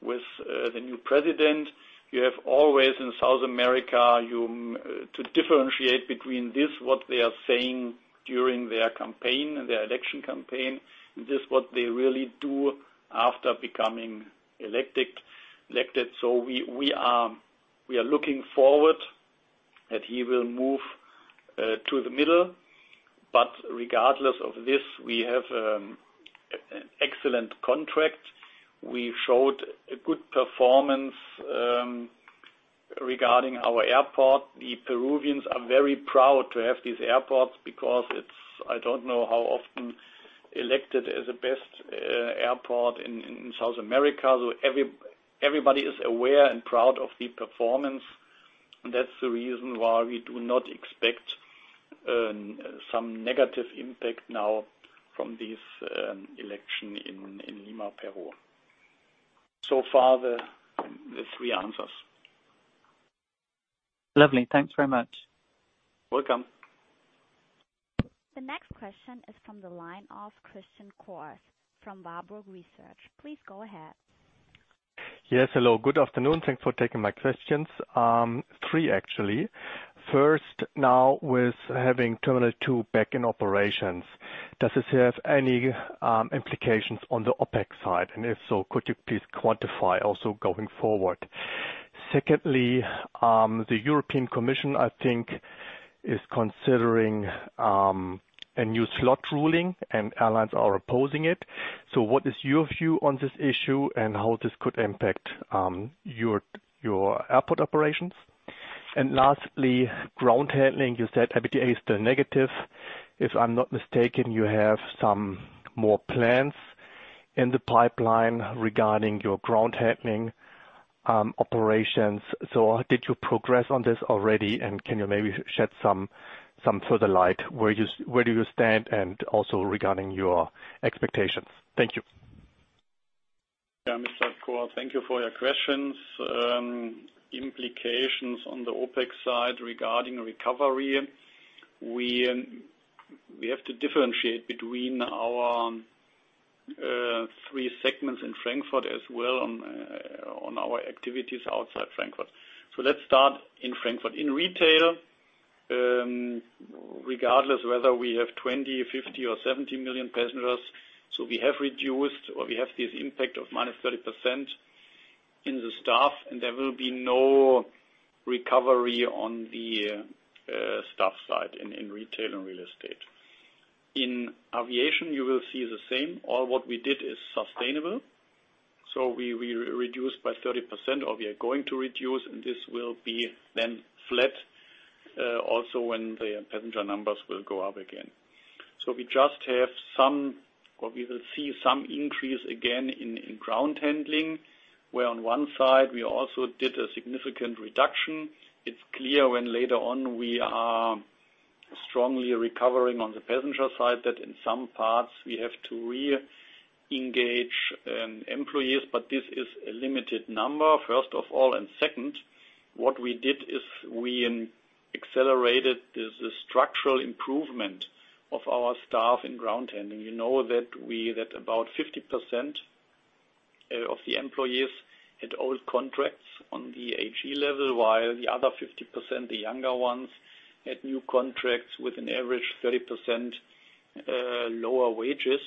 S3: with the new president. You have always, in South America, to differentiate between this, what they are saying during their campaign, their election campaign, and this is what they really do after becoming elected. We are looking forward that he will move to the middle. Regardless of this, we have excellent contracts. We showed a good performance regarding our airport. The Peruvians are very proud to have these airports because it's, I don't know how often, elected as the best airport in South America. Everybody is aware and proud of the performance. That's the reason why we do not expect some negative impact now from this election in Lima, Peru. Far, the three answers.
S5: Lovely. Thanks very much.
S3: Welcome.
S1: The next question is from the line of Christian Cohrs from Warburg Research. Please go ahead.
S6: Yes, hello. Good afternoon. Thanks for taking my questions. Three, actually. First, now with having Terminal 2 back in operations, does this have any implications on the OpEx side? If so, could you please quantify also going forward? Secondly, the European Commission, I think, is considering a new slot ruling and airlines are opposing it. What is your view on this issue and how this could impact your airport operations? Lastly, ground handling. You said EBITDA is still negative. If I'm not mistaken, you have some more plans in the pipeline regarding your ground handling operations. Did you progress on this already and can you maybe shed some further light? Where do you stand and also regarding your expectations? Thank you.
S3: Mr. Cohrs, thank you for your questions. Implications on the OpEx side regarding recovery. We have to differentiate between our three segments in Frankfurt as well on our activities outside Frankfurt. Let's start in Frankfurt. In retail, regardless whether we have 20-million, 50-million or 70-million passengers, we have reduced or we have this impact of minus 30% in the staff, there will be no recovery on the staff side in retail and real estate. In aviation, you will see the same. All what we did is sustainable. We reduced by 30% or we are going to reduce and this will be then flat also when the passenger numbers will go up again. We just have some, or we will see some increase again in ground handling, where on one side we also did a significant reduction. It's clear when later on we are strongly recovering on the passenger side, that in some parts we have to re-engage employees. This is a limited number, first of all, and second, what we did is we accelerated the structural improvement of our staff in ground handling. You know that about 50% of the employees had old contracts on the AG level, while the other 50%, the younger ones, had new contracts with an average 30% lower wages.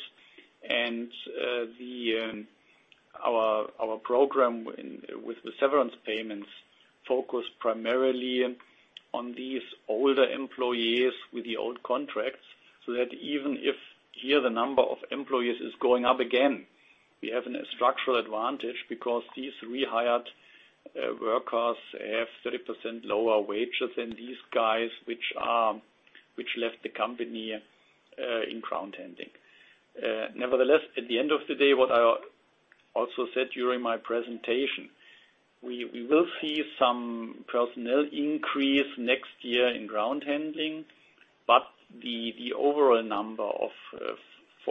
S3: Our program with the severance payments focused primarily on these older employees with the old contracts, so that even if here the number of employees is going up again, we have a structural advantage because these rehired workers have 30% lower wages than these guys, which left the company in ground handling. At the end of the day, what I also said during my presentation, we will see some personnel increase next year in ground handling. The overall number of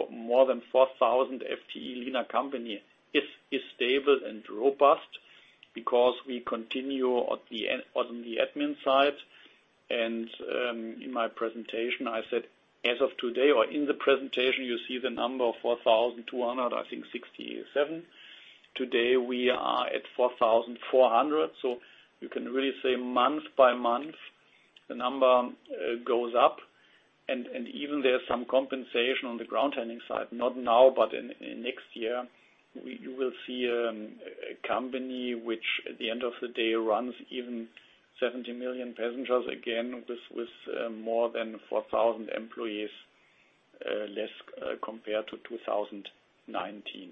S3: more than 4,000 FTE Lima company is stable and robust because we continue on the admin side. In my presentation I said as of today or in the presentation, you see the number of 4,267. Today we are at 4,400. You can really say month-by-month, the number goes up, and even there's some compensation on the ground handling side, not now, but in next year, you will see a company which at the end of the day, runs even 70 million passengers again, this with more than 4,000 employees, less compared to 2019.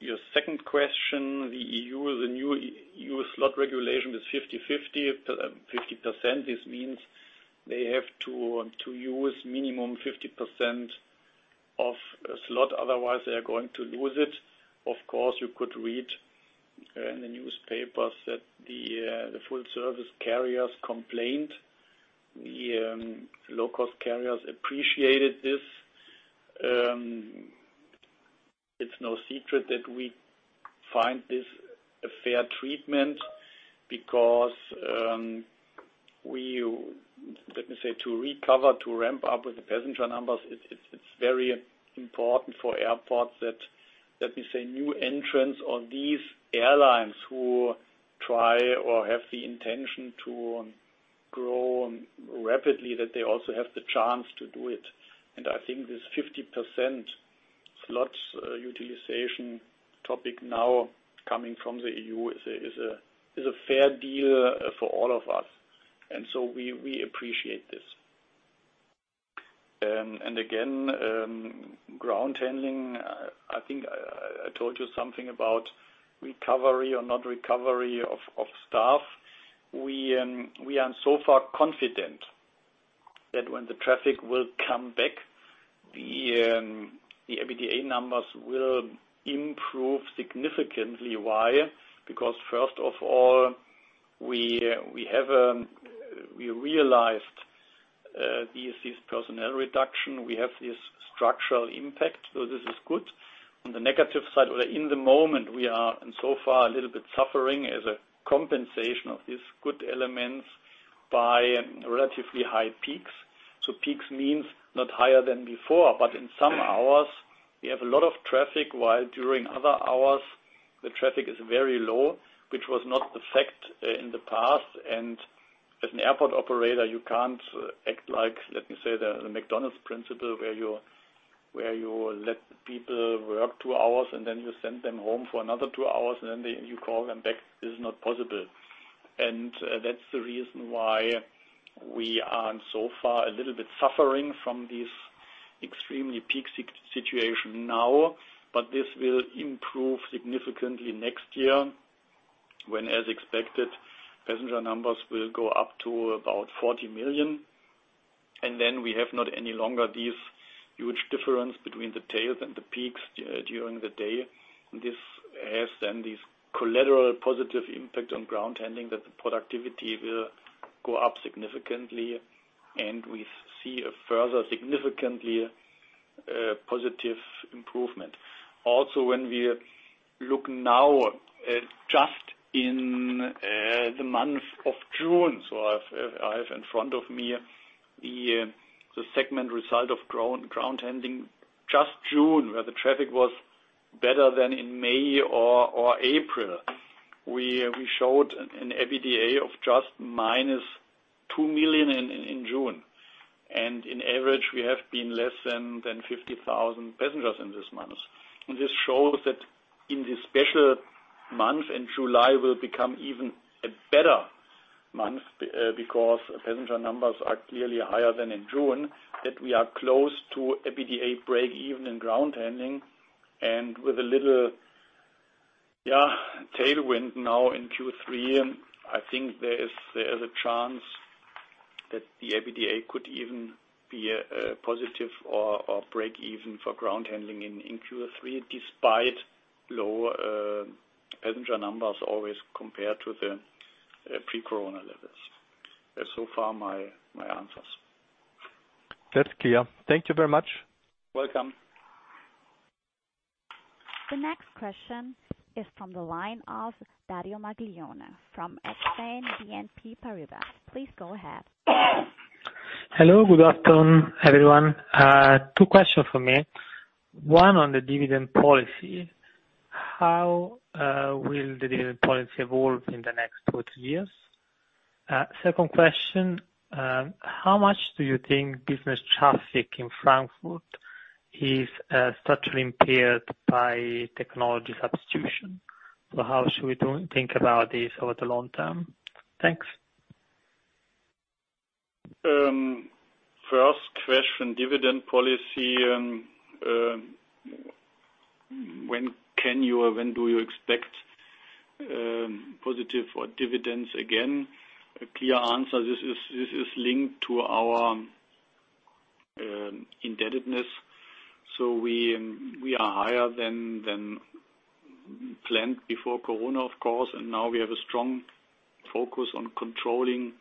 S3: Your second question, the EU, the new EU slot regulation is 50/50, 50%. This means they have to use minimum 50% of a slot, otherwise they are going to lose it. You could read in the newspapers that the full service carriers complained. The low-cost carriers appreciated this. It's no secret that we find this a fair treatment because we, let me say, to recover, to ramp up with the passenger numbers, it's very important for airports that, let me say, new entrants or these airlines who try or have the intention to grow rapidly, that they also have the chance to do it. I think this 50% slots utilization topic now coming from the EU is a fair deal for all of us. We appreciate this. Again, ground handling, I think I told you something about recovery or not recovery of staff. We are so far confident that when the traffic will come back, the EBITDA numbers will improve significantly. Why? First of all, we realized this personnel reduction. We have this structural impact, so this is good. On the negative side, in the moment, we are so far a little bit suffering as a compensation of these good elements by relatively high peaks. Peaks means not higher than before, but in some hours we have a lot of traffic while during other hours the traffic is very low, which was not the fact in the past. As an airport operator, you can't act like, let me say, the McDonald's principle where you let people work 2 hours and then you send them home for another 2 hours and then you call them back. This is not possible. That's the reason why we are so far a little bit suffering from this extremely peak situation now, but this will improve significantly next year when, as expected, passenger numbers will go up to about 40 million. Then we have not any longer this huge difference between the tails and the peaks during the day. This has then this collateral positive impact on ground handling that the productivity will go up significantly, and we see a further significantly positive improvement. When we look now just in the month of June, I have in front of me the segment result of ground handling, just June, where the traffic was better than in May or April. We showed an EBITDA of just -2 million in June, and on average, we have been less than 50,000 passengers in this month. This shows that in this special month, and July will become even a better month because passenger numbers are clearly higher than in June, that we are close to EBITDA break even in ground handling and with a little tailwind now in Q3, I think there is a chance that the EBITDA could even be a positive or break even for ground handling in Q3, despite low passenger numbers always compared to the pre-COVID-19 levels. That's so far my answers.
S6: That's clear. Thank you very much.
S3: Welcome.
S1: The next question is from the line of Dario Maglione from Exane BNP Paribas. Please go ahead.
S7: Hello. Good afternoon, everyone. Two questions from me. One on the dividend policy. How will the dividend policy evolve in the next two or three years? Second question, how much do you think business traffic in Frankfurt is structurally impaired by technology substitution? How should we think about this over the long term? Thanks.
S3: First question, dividend policy. When can you or when do you expect positive dividends again? A clear answer, this is linked to our indebtedness. We are higher than planned before COVID, of course, and now we have a strong focus on controlling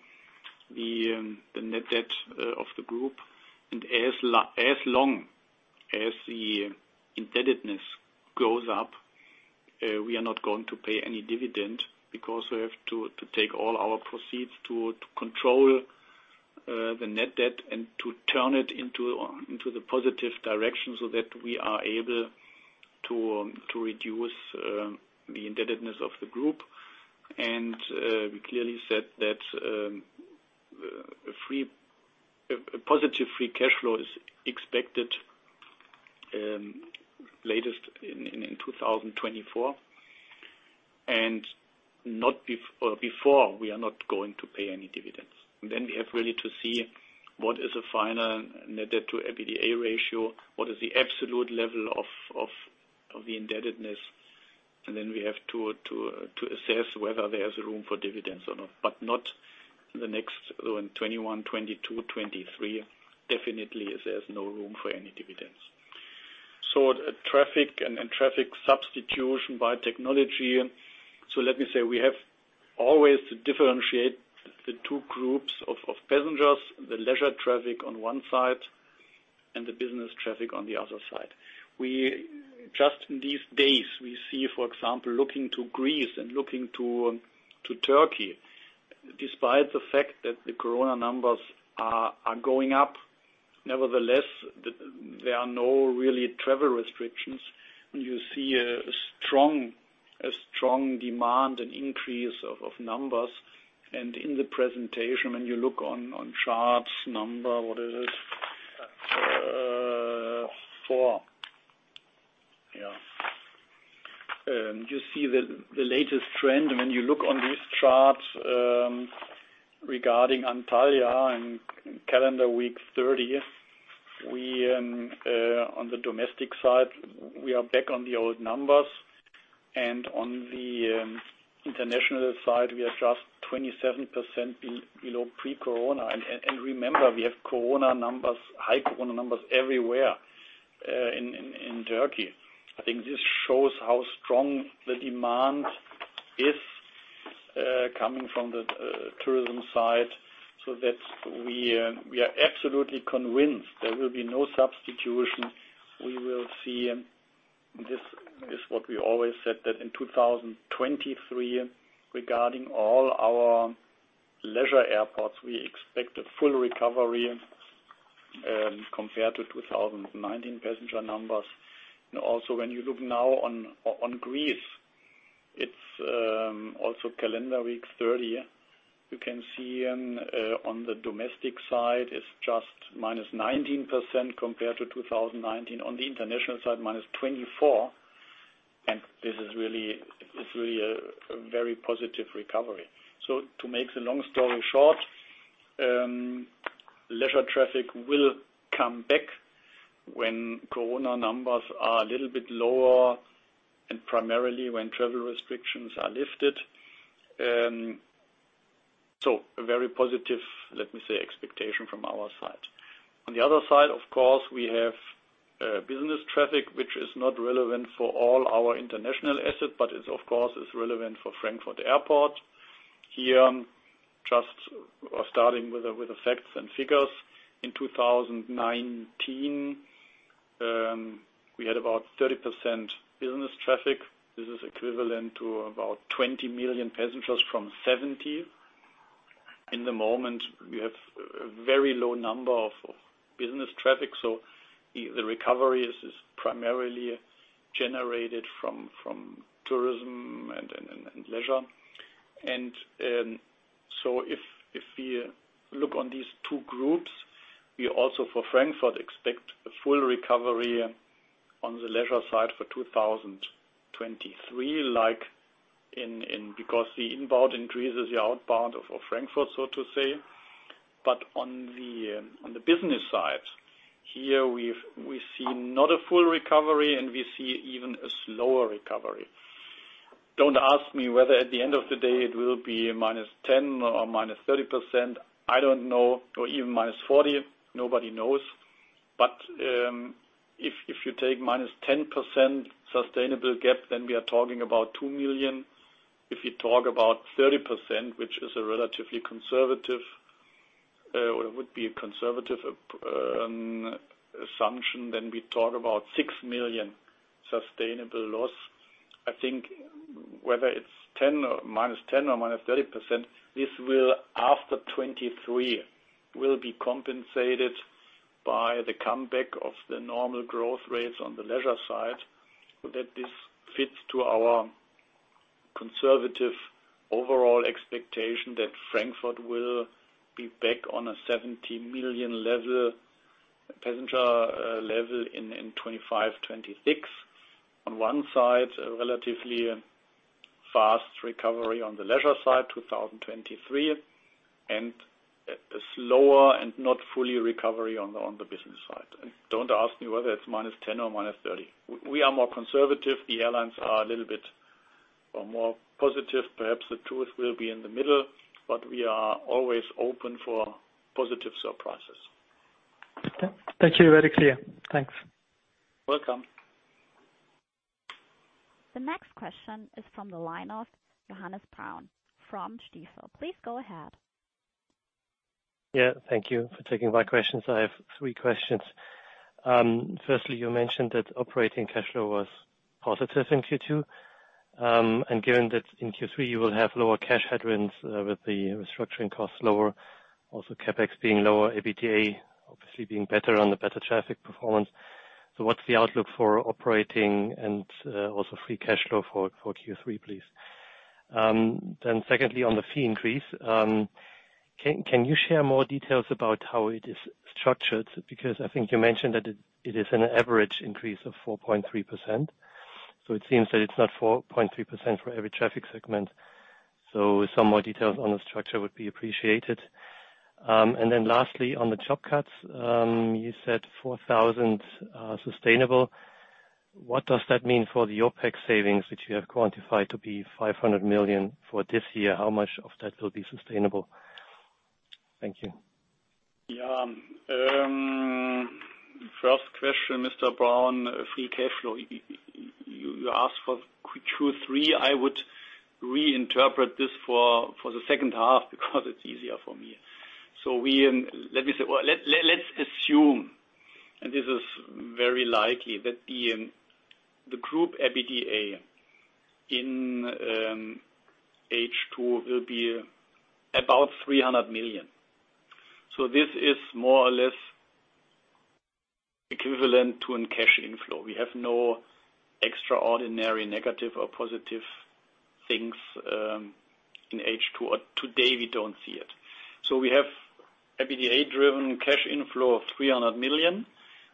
S3: the net debt of the group, and as long as the indebtedness goes up, we are not going to pay any dividend because we have to take all our proceeds to control the net debt and to turn it into the positive direction so that we are able to reduce the indebtedness of the group. We clearly said that a positive free cash flow is expected latest in 2024, and before, we are not going to pay any dividends. We have really to see what is a final net debt to EBITDA ratio, what is the absolute level of the indebtedness, and then we have to assess whether there's room for dividends or not. Not in the next 2021, 2022, 2023, definitely there's no room for any dividends. Traffic and traffic substitution by technology. Let me say, we have always to differentiate the two groups of passengers, the leisure traffic on one side and the business traffic on the other side. Just in these days, we see, for example, looking to Greece and looking to Turkey, despite the fact that the corona numbers are going up, nevertheless, there are no really travel restrictions, and you see a strong demand and increase of numbers. In the presentation, when you look on charts, number, what is it? Four. Yeah. You see the latest trend, when you look on these charts, regarding Antalya in calendar week 30, on the domestic side, we are back on the old numbers. On the international side, we are just 27% below pre-corona. Remember, we have high corona numbers everywhere in Turkey. I think this shows how strong the demand is coming from the tourism side, so that we are absolutely convinced there will be no substitution. We will see, this is what we always said, that in 2023, regarding all our leisure airports, we expect a full recovery compared to 2019 passenger numbers. Also when you look now on Greece, it is also calendar week 30. You can see on the domestic side, it is just -19% compared to 2019. On the international side, -24%. This is really a very positive recovery. To make the long story short, leisure traffic will come back when corona numbers are a little bit lower and primarily when travel restrictions are lifted. A very positive, let me say, expectation from our side. On the other side, of course, we have business traffic, which is not relevant for all our international assets, but it of course is relevant for Frankfurt Airport. Here, just starting with the facts and figures. In 2019, we had about 30% business traffic. This is equivalent to about 20 million passengers from 70. In the moment, we have a very low number of business traffic. The recovery is primarily generated from tourism and leisure. If we look on these two groups, we also for Frankfurt expect a full recovery on the leisure side for 2023, because the inbound increases the outbound of Frankfurt, so to say. On the business side, here we see not a full recovery and we see even a slower recovery. Don't ask me whether at the end of the day it will be -10% or -30%. I don't know. Even -40%. Nobody knows. If you take -10% sustainable gap, then we are talking about 2 million. If you talk about 30%, which would be a conservative assumption, then we talk about 6 million sustainable loss. I think whether it's -10% or -30%, this after 2023 will be compensated by the comeback of the normal growth rates on the leisure side, so that this fits to our conservative overall expectation that Frankfurt will be back on a 70 million passenger level in 2025, 2026. On one side, a relatively fast recovery on the leisure side, 2023, and a slower and not fully recovery on the business side. Don't ask me whether it's -10% or -30. We are more conservative. The airlines are a little bit more positive. Perhaps the truth will be in the middle, but we are always open for positive surprises.
S7: Okay. Thank you. Very clear. Thanks.
S3: Welcome.
S1: The next question is from the line of Johannes Braun from Stifel. Please go ahead.
S8: Thank you for taking my questions. I have three questions. Firstly, you mentioned that operating cash flow was positive in Q2. Given that in Q3 you will have lower cash headwinds with the restructuring costs lower, also CapEx being lower, EBITDA obviously being better on the better traffic performance. What's the outlook for operating and also free cash flow for Q3, please? Secondly, on the fee increase, can you share more details about how it is structured? I think you mentioned that it is an average increase of 4.3%, it seems that it's not 4.3% for every traffic segment. Some more details on the structure would be appreciated. Lastly, on the job cuts, you said 4,000 are sustainable. What does that mean for the OpEx savings, which you have quantified to be 500 million for this year? How much of that will be sustainable? Thank you.
S3: First question, Mr. Braun, free cash flow. You asked for Q3. I would reinterpret this for the second half because it's easier for me. Let's assume, and this is very likely, that the group EBITDA in H2 will be about 300 million. This is more or less equivalent to a cash inflow. We have no extraordinary negative or positive things in H2, or today we don't see it. We have EBITDA-driven cash inflow of 300 million.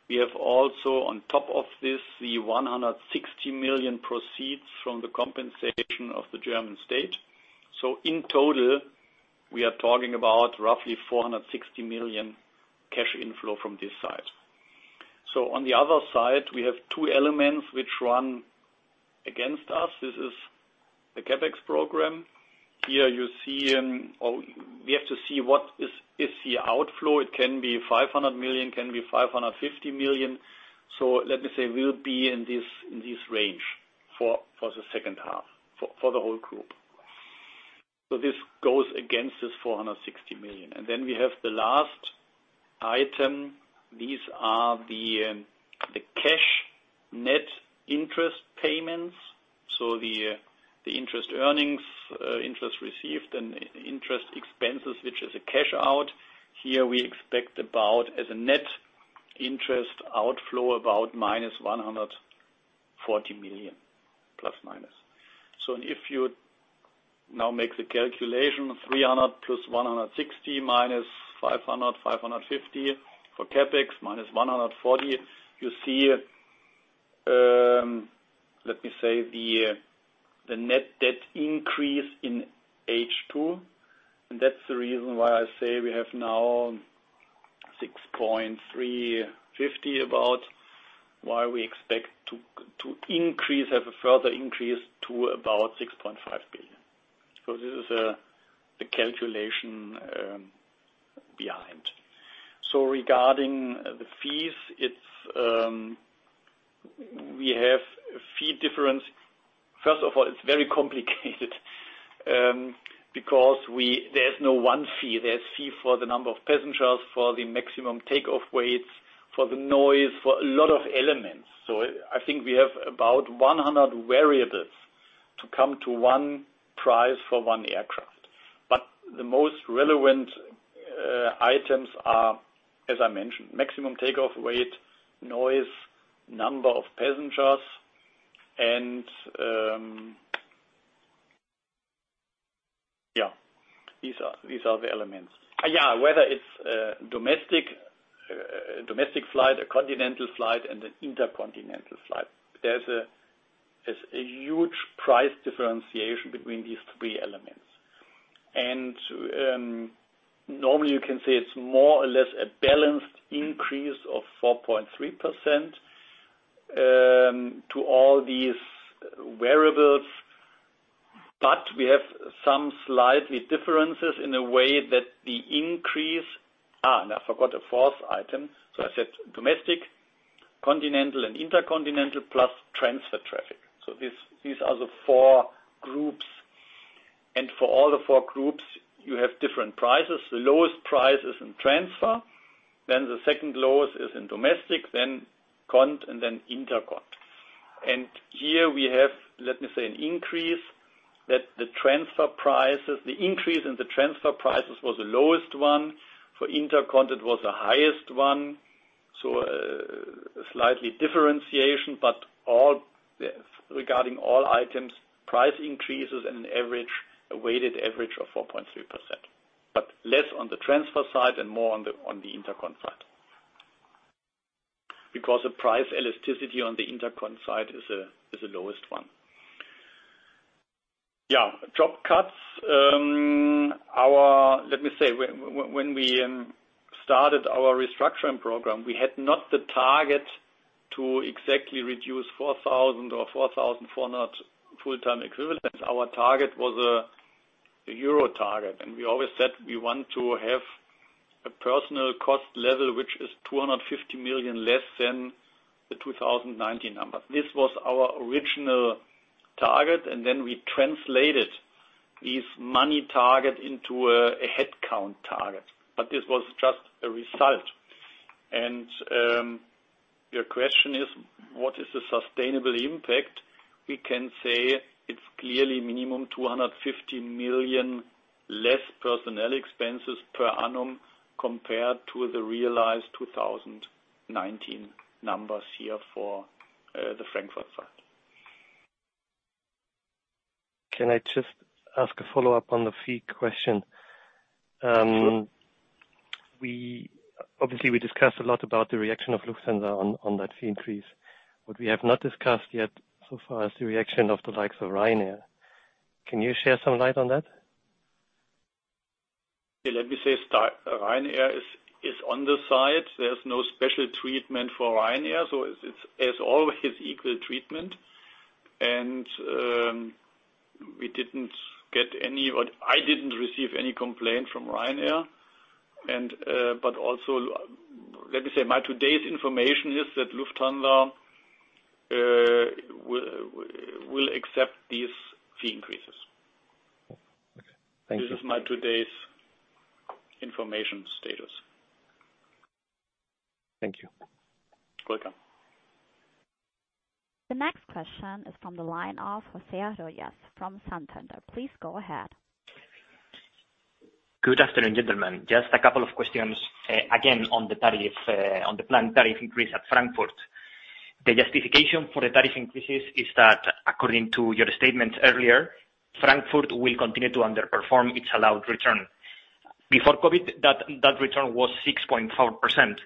S3: We have also on top of this, the 160 million proceeds from the compensation of the German state. In total, we are talking about roughly 460 million cash inflow from this side. On the other side, we have two elements which run against us. This is the CapEx program. Here we have to see what is the outflow. It can be 500 million, can be 550 million. Let me say, we'll be in this range for the second half for the whole group. This goes against this 460 million. We have the last item. These are the cash net interest payments. The interest earnings, interest received, and interest expenses, which is a cash out. Here we expect about, as a net interest outflow, about -140 million, plus/minus. If you now make the calculation 300 + 160 - 500, 550 for CapEx, -140, you see, let me say, the net debt increase in H2. That's the reason why I say we have now 6.35 billion about, why we expect to have a further increase to about 6.5 billion. This is the calculation behind. Regarding the fees, we have a fee difference. First of all, it's very complicated because there's no one fee. There's fee for the number of passengers, for the maximum takeoff weights, for the noise, for a lot of elements. I think we have about 100 variables to come to one price for one aircraft. The most relevant items are, as I mentioned, maximum takeoff weight, noise, number of passengers, and these are the elements. Yeah, whether it's a domestic flight, a continental flight, and an intercontinental flight. There's a huge price differentiation between these three elements. normally you can say it's more or less a balanced increase of 4.3% to all these variables. we have some slight differences in the way that now I forgot the fourth item. I said domestic, continental, and intercontinental, plus transfer traffic. These are the four groups, and for all the four groups, you have different prices. The lowest price is in transfer, then the second lowest is in domestic, then cont, and then intercont. Here we have, let me say, an increase that the increase in the transfer prices was the lowest one. For intercont it was the highest one. Slightly differentiation, but regarding all items, price increases and a weighted average of 4.3%. Less on the transfer side and more on the intercont side. Because the price elasticity on the intercont side is the lowest one. Job cuts. Let me say, when we started our restructuring program, we had not the target to exactly reduce 4,000 or 4,400 full-time equivalents. Our target was a euro target, and we always said we want to have a personal cost level, which is 250 million less than the 2019 number. This was our original target, and then we translated this money target into a headcount target, but this was just a result. Your question is, what is the sustainable impact? We can say it's clearly minimum 250 million less personnel expenses per annum compared to the realized 2019 numbers here for the Frankfurt side.
S8: Can I just ask a follow-up on the fee question?
S3: Sure.
S8: Obviously, we discussed a lot about the reaction of Lufthansa on that fee increase. What we have not discussed yet so far is the reaction of the likes of Ryanair. Can you share some light on that?
S3: Let me say, Ryanair is on the side. There's no special treatment for Ryanair, so as always, equal treatment. We didn't get any, or I didn't receive any complaint from Ryanair. Also, let me say, my today's information is that Lufthansa will accept these fee increases.
S8: Okay. Thank you.
S3: This is my today's information status.
S8: Thank you.
S3: Welcome.
S1: The next question is from the line of José Arroyas from Santander. Please go ahead.
S9: Good afternoon, gentlemen. Just a couple of questions, again, on the planned tariff increase at Frankfurt. The justification for the tariff increases is that according to your statements earlier, Frankfurt will continue to underperform its allowed return. Before COVID-19, that return was 6.4%,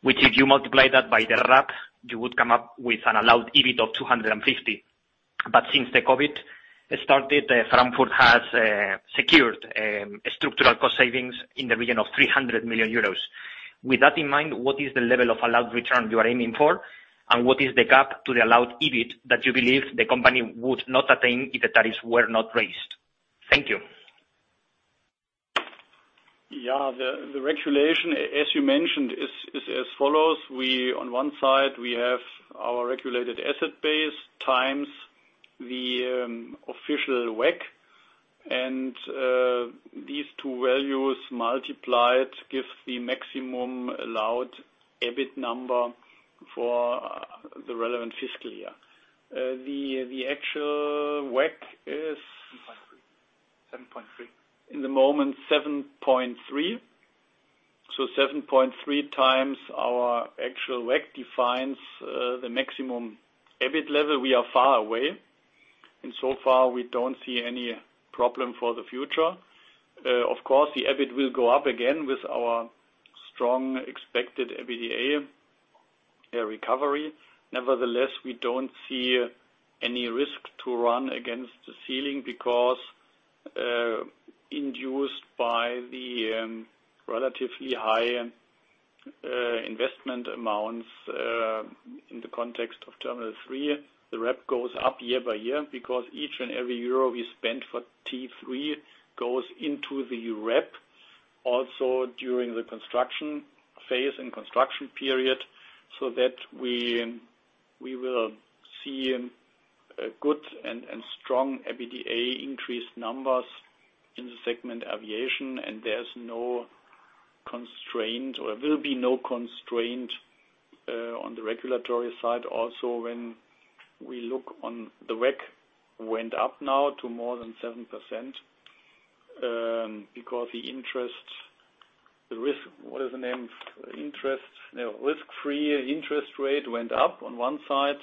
S9: which if you multiply that by the RAB, you would come up with an allowed EBIT of 250 million. Since the COVID-19 started, Frankfurt has secured structural cost savings in the region of 300 million euros. With that in mind, what is the level of allowed return you are aiming for? What is the gap to the allowed EBIT that you believe the company would not attain if the tariffs were not raised? Thank you.
S3: Yeah, the regulation, as you mentioned, is as follows. On one side, we have our regulated asset base times the official WACC, and these two values multiplied give the maximum allowed EBIT number for the relevant fiscal year.
S2: 7.3
S3: In the moment, 7.3. 7.3x our actual WACC defines the maximum EBIT level. We are far away, and so far, we don't see any problem for the future. Of course, the EBIT will go up again with our strong expected EBITDA recovery. Nevertheless, we don't see any risk to run against the ceiling because induced by the relatively high investment amounts in the context of Terminal 3, the RAB goes up year by year because each and every EUR we spend for T3 goes into the RAB also during the construction phase and construction period, so that we will see good and strong EBITDA increased numbers in the segment aviation and there's no constraint or there will be no constraint on the regulatory side. Also, when we look on the WACC went up now to more than 7%, because the risk-free interest rate went up on one side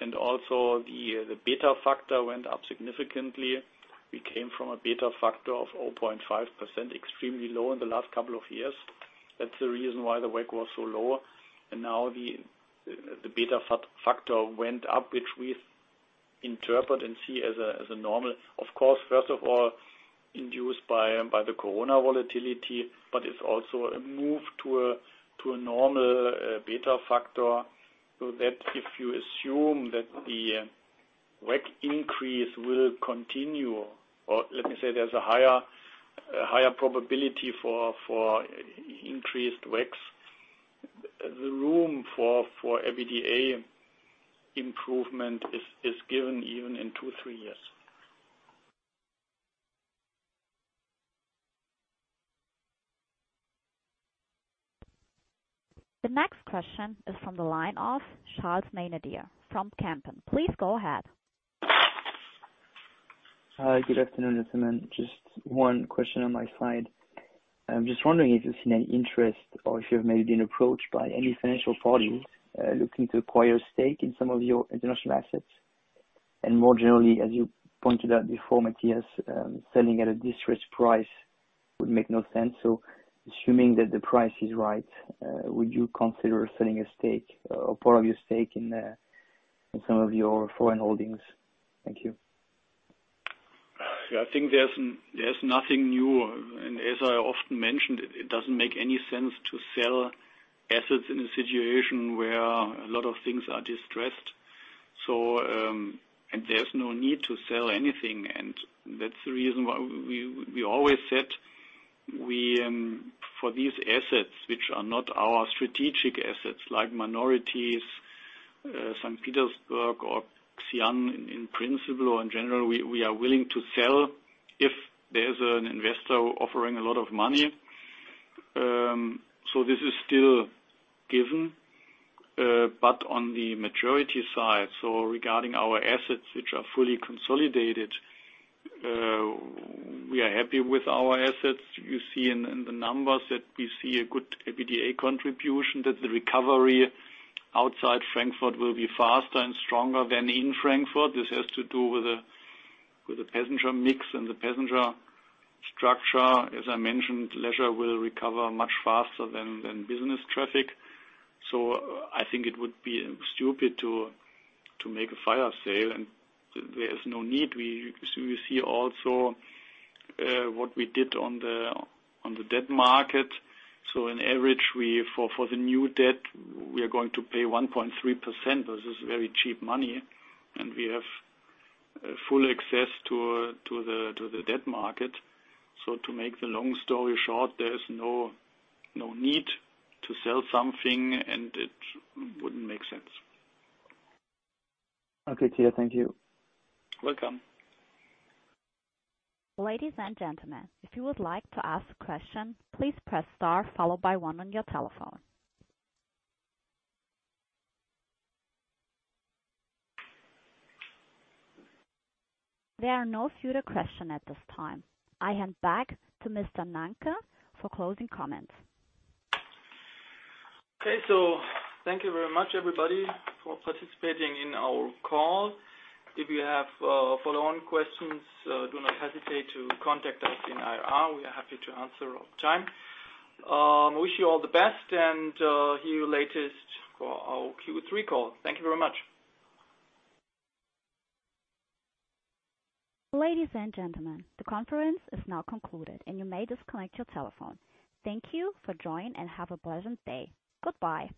S3: and also the beta factor went up significantly. We came from a beta factor of 0.5%, extremely low in the last couple of years. That's the reason why the WACC was so low. Now the beta factor went up, which we interpret and see as a normal. Of course, first of all, induced by the COVID-19 volatility, but it's also a move to a normal beta factor, so that if you assume that the WACC increase will continue, or let me say there's a higher probability for increased WACCs, the room for EBITDA improvement is given even in two, three years.
S1: The next question is from the line of Charles Maynadier from Kempen. Please go ahead.
S10: Hi. Good afternoon, gentlemen. Just one question on my side. I'm just wondering if there's been any interest or if you have maybe been approached by any financial party, looking to acquire a stake in some of your international assets? Assuming that the price is right, would you consider selling a stake or part of your stake in some of your foreign holdings? Thank you.
S3: I think there's nothing new. As I often mentioned, it doesn't make any sense to sell assets in a situation where a lot of things are distressed. There's no need to sell anything, and that's the reason why we always said. For these assets, which are not our strategic assets like minorities, Saint Petersburg or Xi'an, in principle or in general, we are willing to sell if there's an investor offering a lot of money. This is still given. On the majority side, so regarding our assets which are fully consolidated, we are happy with our assets. You see in the numbers that we see a good EBITDA contribution, that the recovery outside Frankfurt will be faster and stronger than in Frankfurt. This has to do with the passenger mix and the passenger structure. As I mentioned, leisure will recover much faster than business traffic. I think it would be stupid to make a fire sale, and there is no need. We see also what we did on the debt market. On average, for the new debt, we are going to pay 1.3%. This is very cheap money, and we have full access to the debt market. To make the long story short, there's no need to sell something, and it wouldn't make sense.
S10: Okay, Matthias. Thank you.
S3: Welcome.
S1: Ladies and gentlemen, if you would like to ask a question, please press star followed by one on your telephone. There are no further questions at this time. I hand back to Mr. Nanke for closing comments.
S2: Okay, thank you very much everybody for participating in our call. If you have follow-on questions, do not hesitate to contact us in IR. We are happy to answer all the time. I wish you all the best and hear you latest for our Q3 call. Thank you very much.
S1: Ladies and gentlemen, the conference is now concluded and you may disconnect your telephone. Thank you for joining, and have a pleasant day. Goodbye.